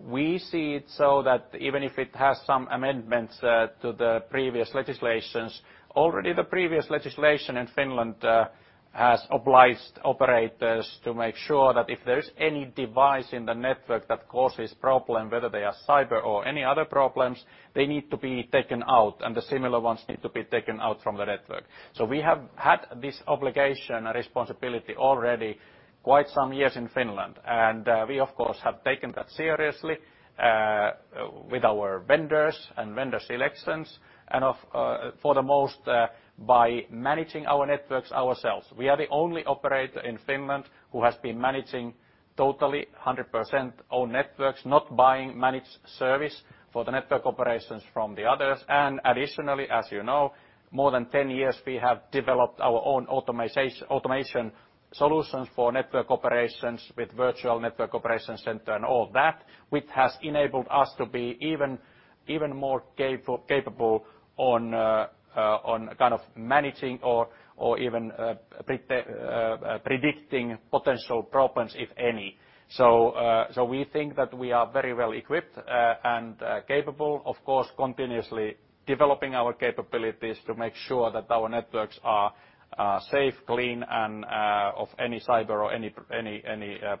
[SPEAKER 2] We see it so that even if it has some amendments to the previous legislations, already the previous legislation in Finland has obliged operators to make sure that if there is any device in the network that causes problem, whether they are cyber or any other problems, they need to be taken out, and the similar ones need to be taken out from the network. We have had this obligation and responsibility already quite some years in Finland. We of course, have taken that seriously with our vendors and vendor selections, and for the most, by managing our networks ourselves. We are the only operator in Finland who has been managing totally 100% own networks, not buying managed service for the network operations from the others. Additionally, as you know, more than 10 years we have developed our own automation solutions for network operations with virtual network operations center and all that, which has enabled us to be even more capable on managing or even predicting potential problems, if any. We think that we are very well equipped and capable. Of course, continuously developing our capabilities to make sure that our networks are safe, clean and of any cyber or any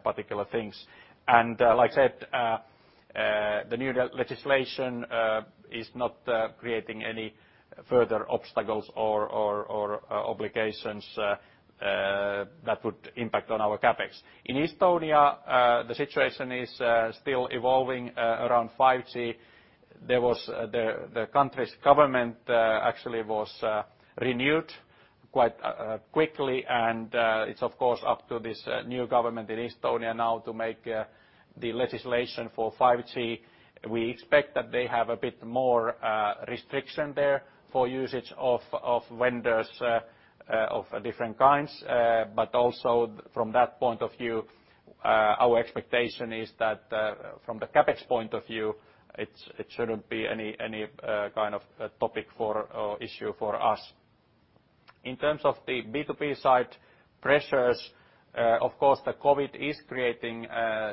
[SPEAKER 2] particular things. Like I said, the new legislation is not creating any further obstacles or obligations that would impact on our CapEx. In Estonia, the situation is still evolving around 5G. The country's government actually was renewed quite quickly and it's of course up to this new government in Estonia now to make the legislation for 5G. Also from that point of view, our expectation is that from the CapEx point of view, it shouldn't be any kind of topic or issue for us. In terms of the B2B side pressures, of course, the COVID is creating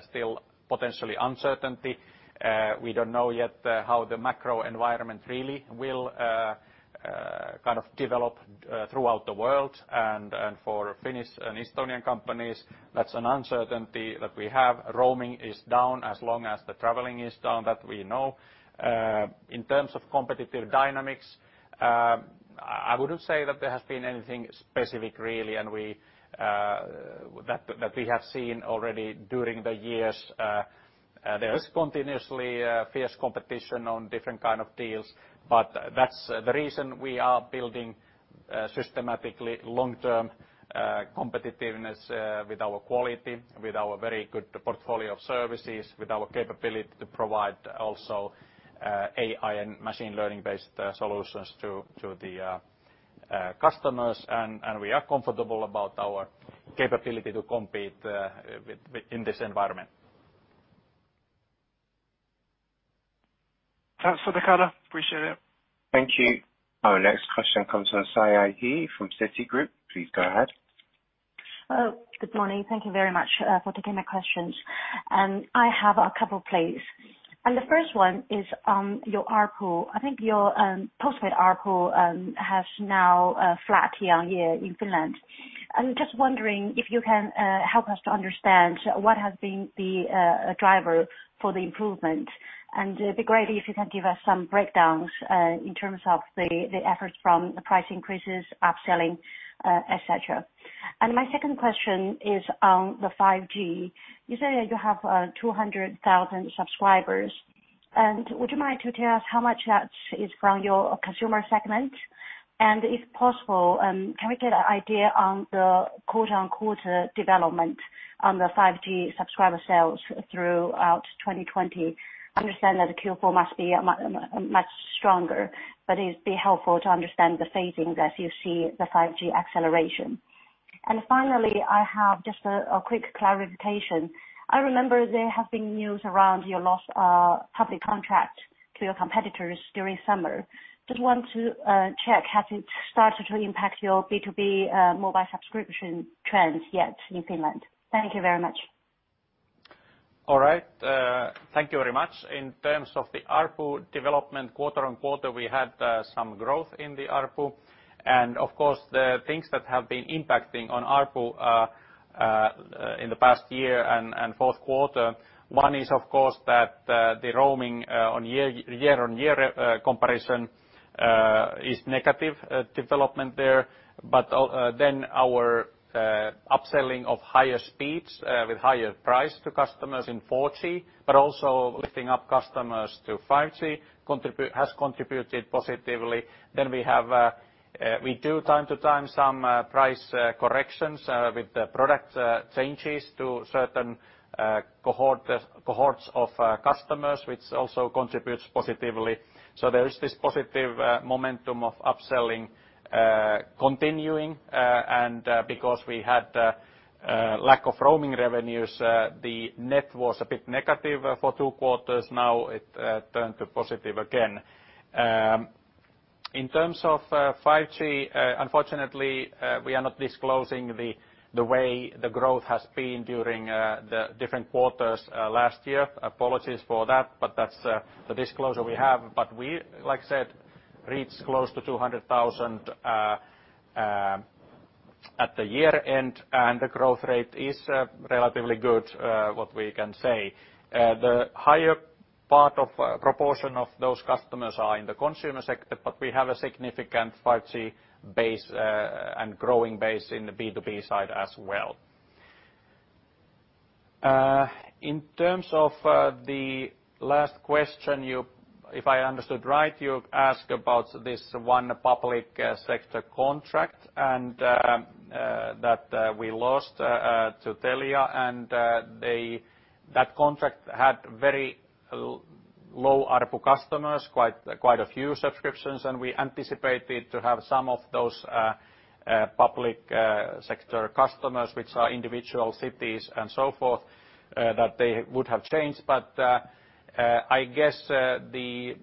[SPEAKER 2] still potentially uncertainty. We don't know yet how the macro environment really will develop throughout the world. For Finnish and Estonian companies, that's an uncertainty that we have. Roaming is down as long as the traveling is down, that we know. In terms of competitive dynamics, I wouldn't say that there has been anything specific really, that we have seen already during the years. There is continuously fierce competition on different kind of deals, that's the reason we are building systematically long-term competitiveness with our quality, with our very good portfolio of services, with our capability to provide also AI and machine learning-based solutions to the customers. We are comfortable about our capability to compete in this environment.
[SPEAKER 10] Thanks for the color. Appreciate it.
[SPEAKER 5] Thank you. Our next question comes from Siyi He from Citigroup. Please go ahead.
[SPEAKER 11] Good morning. Thank you very much for taking the questions. I have a couple, please. The first one is on your ARPU. I think your post-paid ARPU has now flat year-on-year in Finland. I'm just wondering if you can help us to understand what has been the driver for the improvement, and it'd be great if you can give us some breakdowns in terms of the efforts from the price increases, upselling, et cetera. My second question is on the 5G. You say you have 200,000 subscribers, and would you mind to tell us how much that is from your consumer segment? If possible, can we get an idea on the quote, unquote, development on the 5G subscriber sales throughout 2020? I understand that the Q4 must be much stronger, but it'd be helpful to understand the phasing as you see the 5G acceleration. Finally, I have just a quick clarification. I remember there have been news around you lost a public contract to your competitors during summer. Just want to check, has it started to impact your B2B mobile subscription trends yet in Finland? Thank you very much.
[SPEAKER 2] All right. Thank you very much. In terms of the ARPU development quarter-on-quarter, we had some growth in the ARPU, and of course, the things that have been impacting on ARPU in the past year and fourth quarter. One is, of course, that the roaming year-on-year comparison is negative development there. Our upselling of higher speeds with higher price to customers in 4G, but also lifting up customers to 5G has contributed positively. We do, time to time, some price corrections with the product changes to certain cohorts of customers, which also contributes positively. There is this positive momentum of upselling continuing, and because we had lack of roaming revenues, the net was a bit negative for two quarters. Now it turned to positive again. In terms of 5G, unfortunately, we are not disclosing the way the growth has been during the different quarters last year. Apologies for that, but that's the disclosure we have. We, like I said, reached close to 200,000 at the year-end, and the growth rate is relatively good, what we can say. The higher part of proportion of those customers are in the consumer sector, but we have a significant 5G base and growing base in the B2B side as well. In terms of the last question, if I understood right, you ask about this one public sector contract that we lost to Telia, and that contract had very low ARPU customers, quite a few subscriptions. We anticipated to have some of those public sector customers, which are individual cities and so forth, that they would have changed. I guess the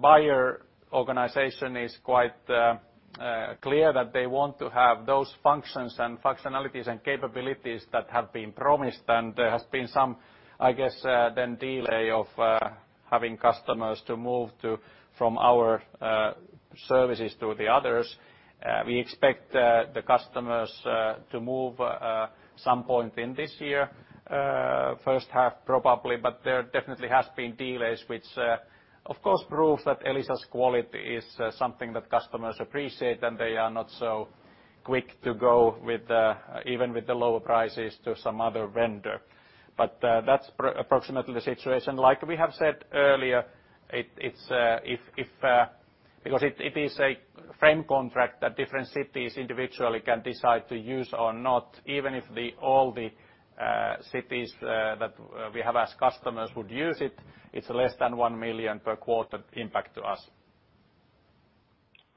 [SPEAKER 2] buyer organization is quite clear that they want to have those functions and functionalities and capabilities that have been promised, and there has been some, I guess, then delay of having customers to move from our services to the others. We expect the customers to move some point in this year, first half probably. There definitely has been delays, which of course proves that Elisa's quality is something that customers appreciate, and they are not so quick to go, even with the lower prices, to some other vendor. That's approximately the situation. Like we have said earlier, because it is a frame contract that different cities individually can decide to use or not, even if all the cities that we have as customers would use it's less than 1 million per quarter impact to us.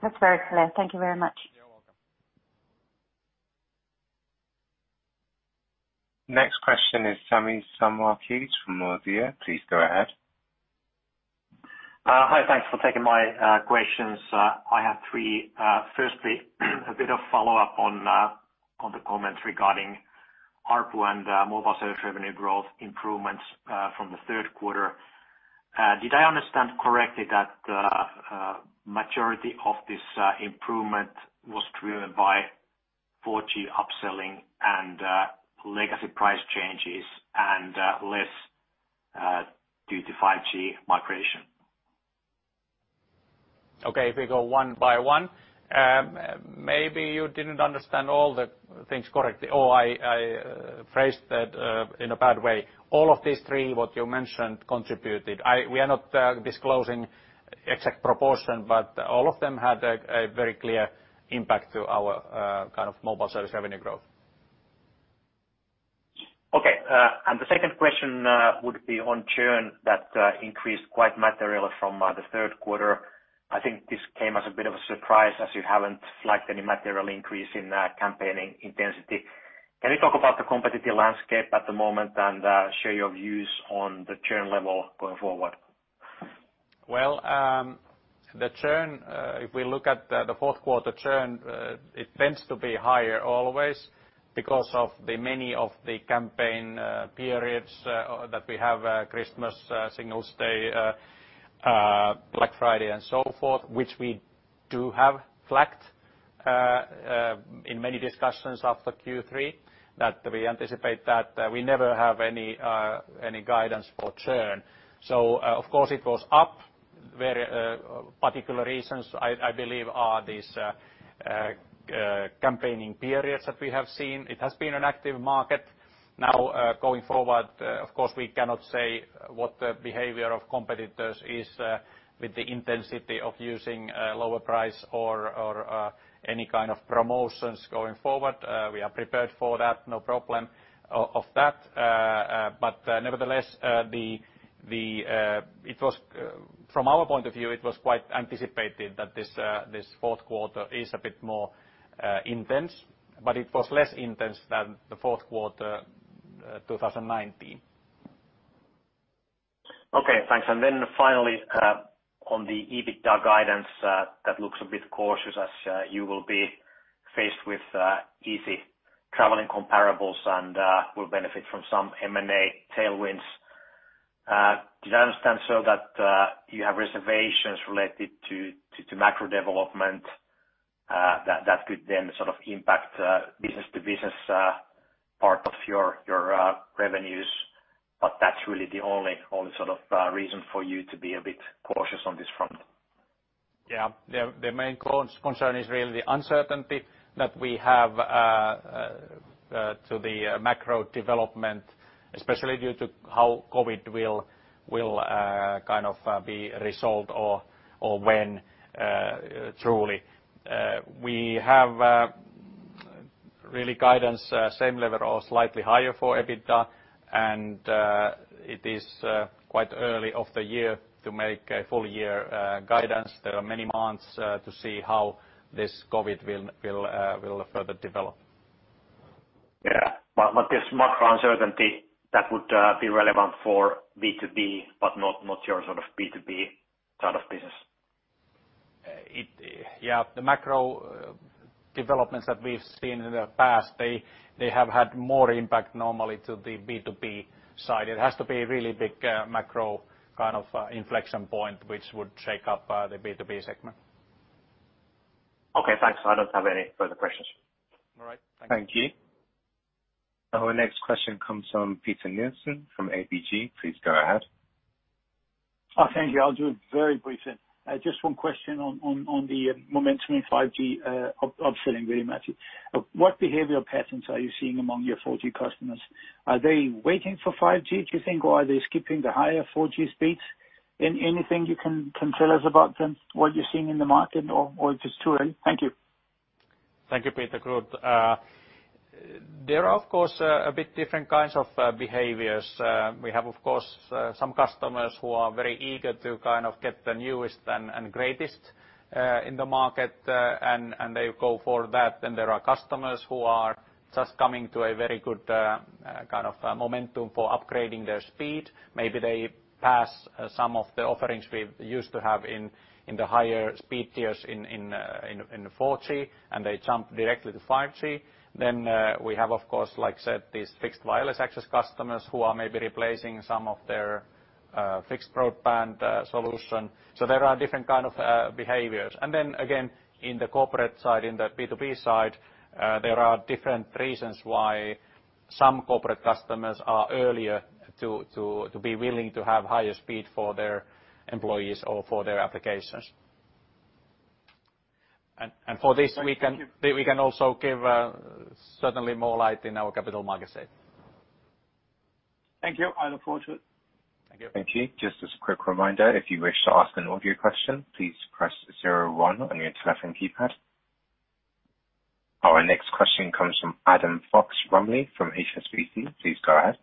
[SPEAKER 11] That's very clear. Thank you very much.
[SPEAKER 2] You're welcome.
[SPEAKER 5] Next question is Sami Sarkamies from Nordea. Please go ahead.
[SPEAKER 12] Hi. Thanks for taking my questions. I have three. Firstly, a bit of follow-up on the comments regarding ARPU and mobile service revenue growth improvements from the third quarter. Did I understand correctly that majority of this improvement was driven by 4G upselling and legacy price changes and less due to 5G migration?
[SPEAKER 2] Okay. If we go one by one, maybe you didn't understand all the things correctly or I phrased that in a bad way. All of these three what you mentioned contributed. We are not disclosing exact proportion, but all of them had a very clear impact to our mobile service revenue growth.
[SPEAKER 12] Okay. The second question would be on churn that increased quite materially from the third quarter. I think this came as a bit of a surprise, as you haven't flagged any material increase in campaigning intensity. Can you talk about the competitive landscape at the moment and share your views on the churn level going forward?
[SPEAKER 2] The churn, if we look at the fourth quarter churn, it tends to be higher always because of the many of the campaign periods that we have, Christmas, Singles Day, Black Friday, and so forth, which we do have flagged in many discussions after Q3. We anticipate that we never have any guidance for churn. Of course it was up. Particular reasons, I believe, are these campaigning periods that we have seen. It has been an active market. Going forward, of course, we cannot say what the behavior of competitors is with the intensity of using lower price or any kind of promotions going forward. We are prepared for that. No problem of that. Nevertheless, from our point of view, it was quite anticipated that this fourth quarter is a bit more intense. It was less intense than the fourth quarter 2019.
[SPEAKER 12] Okay, thanks. Finally, on the EBITDA guidance, that looks a bit cautious as you will be faced with easy traveling comparables and will benefit from some M&A tailwinds. Did I understand so that you have reservations related to macro development that could then sort of impact business-to-business part of your revenues, but that's really the only sort of reason for you to be a bit cautious on this front?
[SPEAKER 2] The main concern is really the uncertainty that we have to the macro development, especially due to how COVID will kind of be resolved or when truly. We have really guidance same level or slightly higher for EBITDA, and it is quite early of the year to make a full year guidance. There are many months to see how this COVID will further develop.
[SPEAKER 12] Yeah. This macro uncertainty that would be relevant for B2B, but not your sort of B2B side of business.
[SPEAKER 2] Yeah. The macro developments that we've seen in the past, they have had more impact normally to the B2B side. It has to be a really big macro kind of inflection point, which would shake up the B2B segment.
[SPEAKER 12] Okay, thanks. I don't have any further questions.
[SPEAKER 2] All right. Thank you.
[SPEAKER 5] Thank you. Our next question comes from Peter Nilsson from ABG. Please go ahead.
[SPEAKER 13] Thank you. I'll do it very briefly. Just one question on the momentum in 5G upselling, really, Matti. What behavioral patterns are you seeing among your 4G customers? Are they waiting for 5G, do you think? Are they skipping the higher 4G speeds? Anything you can tell us about them, what you're seeing in the market or if it's too early? Thank you.
[SPEAKER 2] Thank you, Peter. Good. There are, of course, a bit different kinds of behaviors. We have, of course, some customers who are very eager to kind of get the newest and greatest in the market, and they go for that. There are customers who are just coming to a very good kind of momentum for upgrading their speed. Maybe they pass some of the offerings we used to have in the higher speed tiers in the 4G, and they jump directly to 5G. We have, of course, like I said, these fixed wireless access customers who are maybe replacing some of their fixed broadband solution. There are different kind of behaviors. Again, in the corporate side, in the B2B side, there are different reasons why some corporate customers are earlier to be willing to have higher speed for their employees or for their applications. And for this, we can also give certainly more light in our Capital Markets Day.
[SPEAKER 13] Thank you. I look forward to it.
[SPEAKER 2] Thank you.
[SPEAKER 5] Thank you. Just as a quick reminder, if you wish to ask an audio question, please press 01 on your telephone keypad. Our next question comes from Adam Fox-Rumley from HSBC. Please go ahead.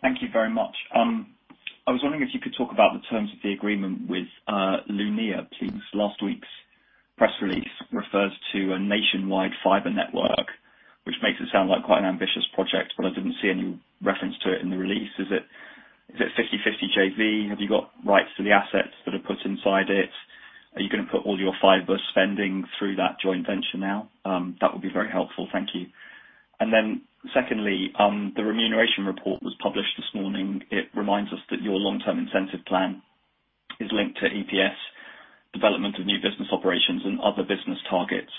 [SPEAKER 14] Thank you very much. I was wondering if you could talk about the terms of the agreement with Lumo, please. Last week's press release refers to a nationwide fiber network, which makes it sound like quite an ambitious project, but I didn't see any reference to it in the release. Is it 50/50 JV? Have you got rights to the assets that are put inside it? Are you going to put all your fiber spending through that joint venture now? That would be very helpful. Thank you. Then secondly, the remuneration report was published this morning. It reminds us that your long-term incentive plan is linked to EPS development of new business operations and other business targets.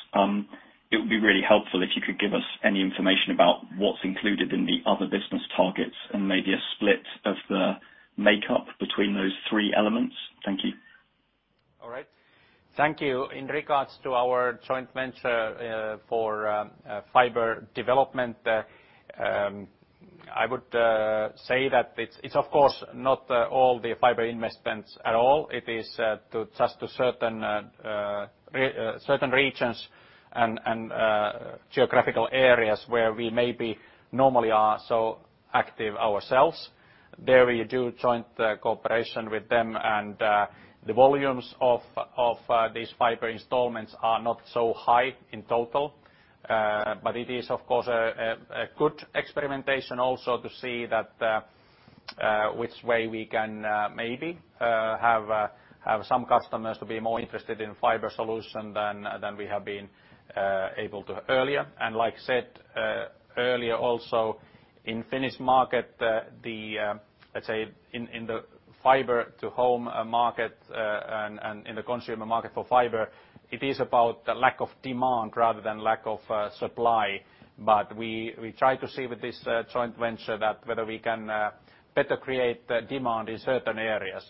[SPEAKER 14] It would be really helpful if you could give us any information about what's included in the other business targets and maybe a split of the makeup between those three elements. Thank you.
[SPEAKER 2] All right. Thank you. In regards to our joint venture for fiber development, I would say that it is of course not all the fiber investments at all. It is just to certain regions and geographical areas where we maybe normally are so active ourselves. There we do joint cooperation with them, the volumes of these fiber installments are not so high in total. It is, of course, a good experimentation also to see that which way we can maybe have some customers to be more interested in fiber solution than we have been able to earlier. Like I said earlier also, in Finnish market, let's say in the fiber to home market and in the consumer market for fiber, it is about the lack of demand rather than lack of supply. We try to see with this joint venture that whether we can better create demand in certain areas,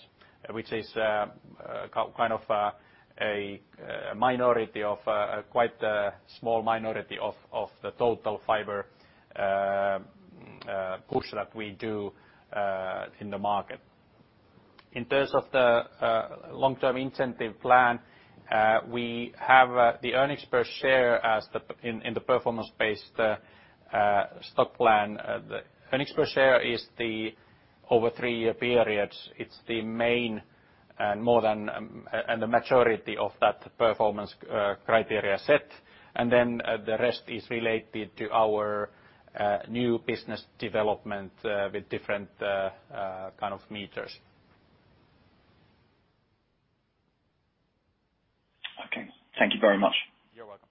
[SPEAKER 2] which is kind of a quite small minority of the total fiber push that we do in the market. In terms of the long-term incentive plan, we have the earnings per share in the performance-based stock plan. The earnings per share is the over three-year periods. It's the main and the majority of that performance criteria set. The rest is related to our new business development with different kind of metrics.
[SPEAKER 14] Okay. Thank you very much.
[SPEAKER 2] You're welcome.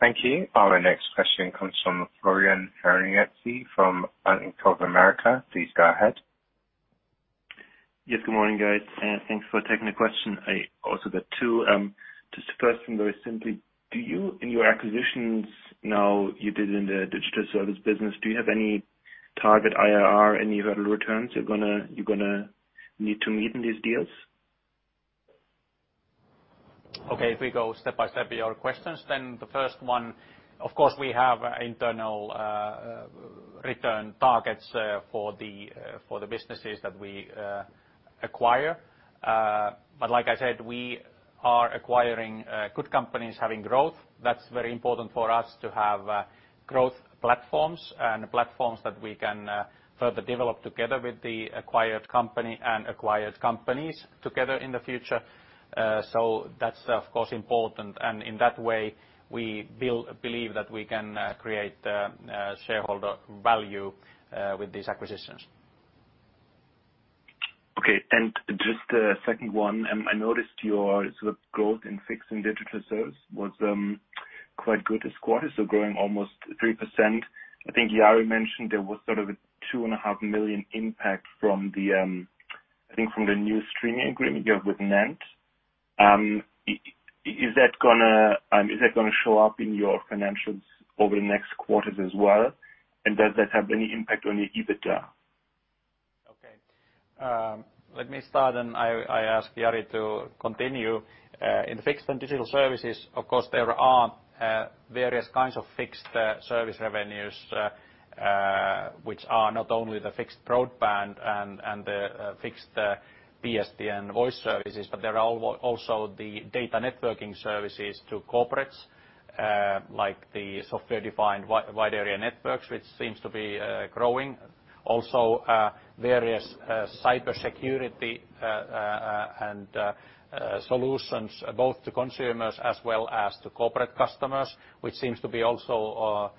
[SPEAKER 5] Thank you. Our next question comes from Florian Henritzi from Bank of America. Please go ahead.
[SPEAKER 15] Yes. Good morning, guys. Thanks for taking the question. I also got two. Just the first one, very simply, do you, in your acquisitions now, you did in the digital service business, do you have any target IRR, any hurdle returns you're going to need to meet in these deals?
[SPEAKER 2] Okay. If we go step by step your questions, then the first one, of course, we have internal return targets for the businesses that we acquire. Like I said, we are acquiring good companies having growth. That's very important for us to have growth platforms and platforms that we can further develop together with the acquired company and acquired companies together in the future. That's of course important and in that way we believe that we can create shareholder value with these acquisitions.
[SPEAKER 15] Okay. Just the second one. I noticed your sort of growth in fixed and digital service was quite good this quarter, so growing almost 3%. I think Jari mentioned there was sort of a 2.5 million impact from the new streaming agreement you have with NENT. Is that gonna show up in your financials over the next quarters as well? Does that have any impact on your EBITDA?
[SPEAKER 2] Okay. Let me start and I ask Jari to continue. In fixed and digital services, of course, there are various kinds of fixed service revenues, which are not only the fixed broadband and the fixed PSTN voice services, but there are also the data networking services to corporates, like the software-defined wide area networks, which seems to be growing. Also, various cybersecurity solutions, both to consumers as well as to corporate customers, which seems to be also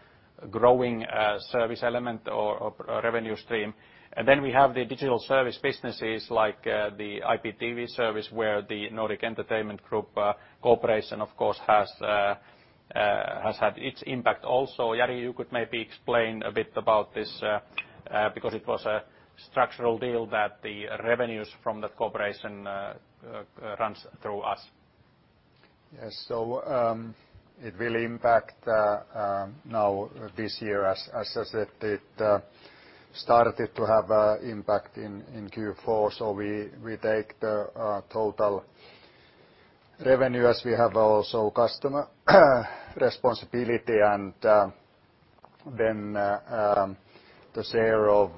[SPEAKER 2] a growing service element or revenue stream. Then we have the digital service businesses like the IPTV service where the Nordic Entertainment Group cooperation, of course, has had its impact also. Jari, you could maybe explain a bit about this, because it was a structural deal that the revenues from that cooperation runs through us.
[SPEAKER 3] Yes. It will impact now this year as, I said it started to have impact in Q4. We take the total revenue as we have also customer responsibility and then the share of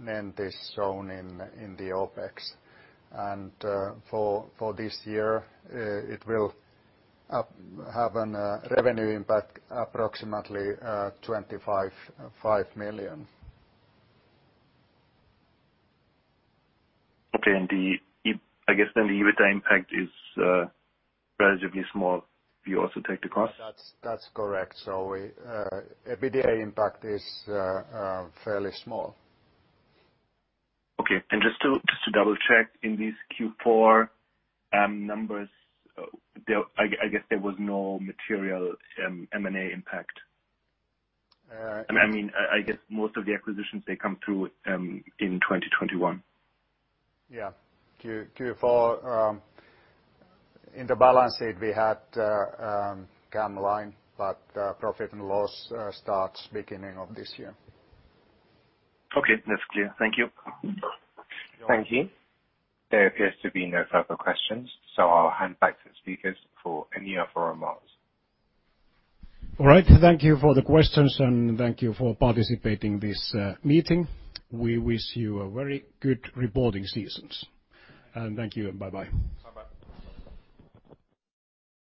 [SPEAKER 3] NENT is shown in the OpEx. For this year it will have an revenue impact approximately EUR 25.5 million.
[SPEAKER 15] Okay. I guess then the EBITDA impact is relatively small if you also take the cost.
[SPEAKER 3] That's correct. EBITDA impact is fairly small.
[SPEAKER 15] Okay. Just to double-check, in these Q4 numbers, I guess there was no material M&A impact? I mean, I guess most of the acquisitions they come through in 2021.
[SPEAKER 3] Yeah. Q4, in the balance sheet we had camLine, profit and loss starts beginning of this year.
[SPEAKER 15] Okay. That's clear. Thank you.
[SPEAKER 5] Thank you. There appears to be no further questions, so I'll hand back to the speakers for any further remarks.
[SPEAKER 1] All right. Thank you for the questions and thank you for participating this meeting. We wish you a very good reporting seasons. Thank you and bye-bye.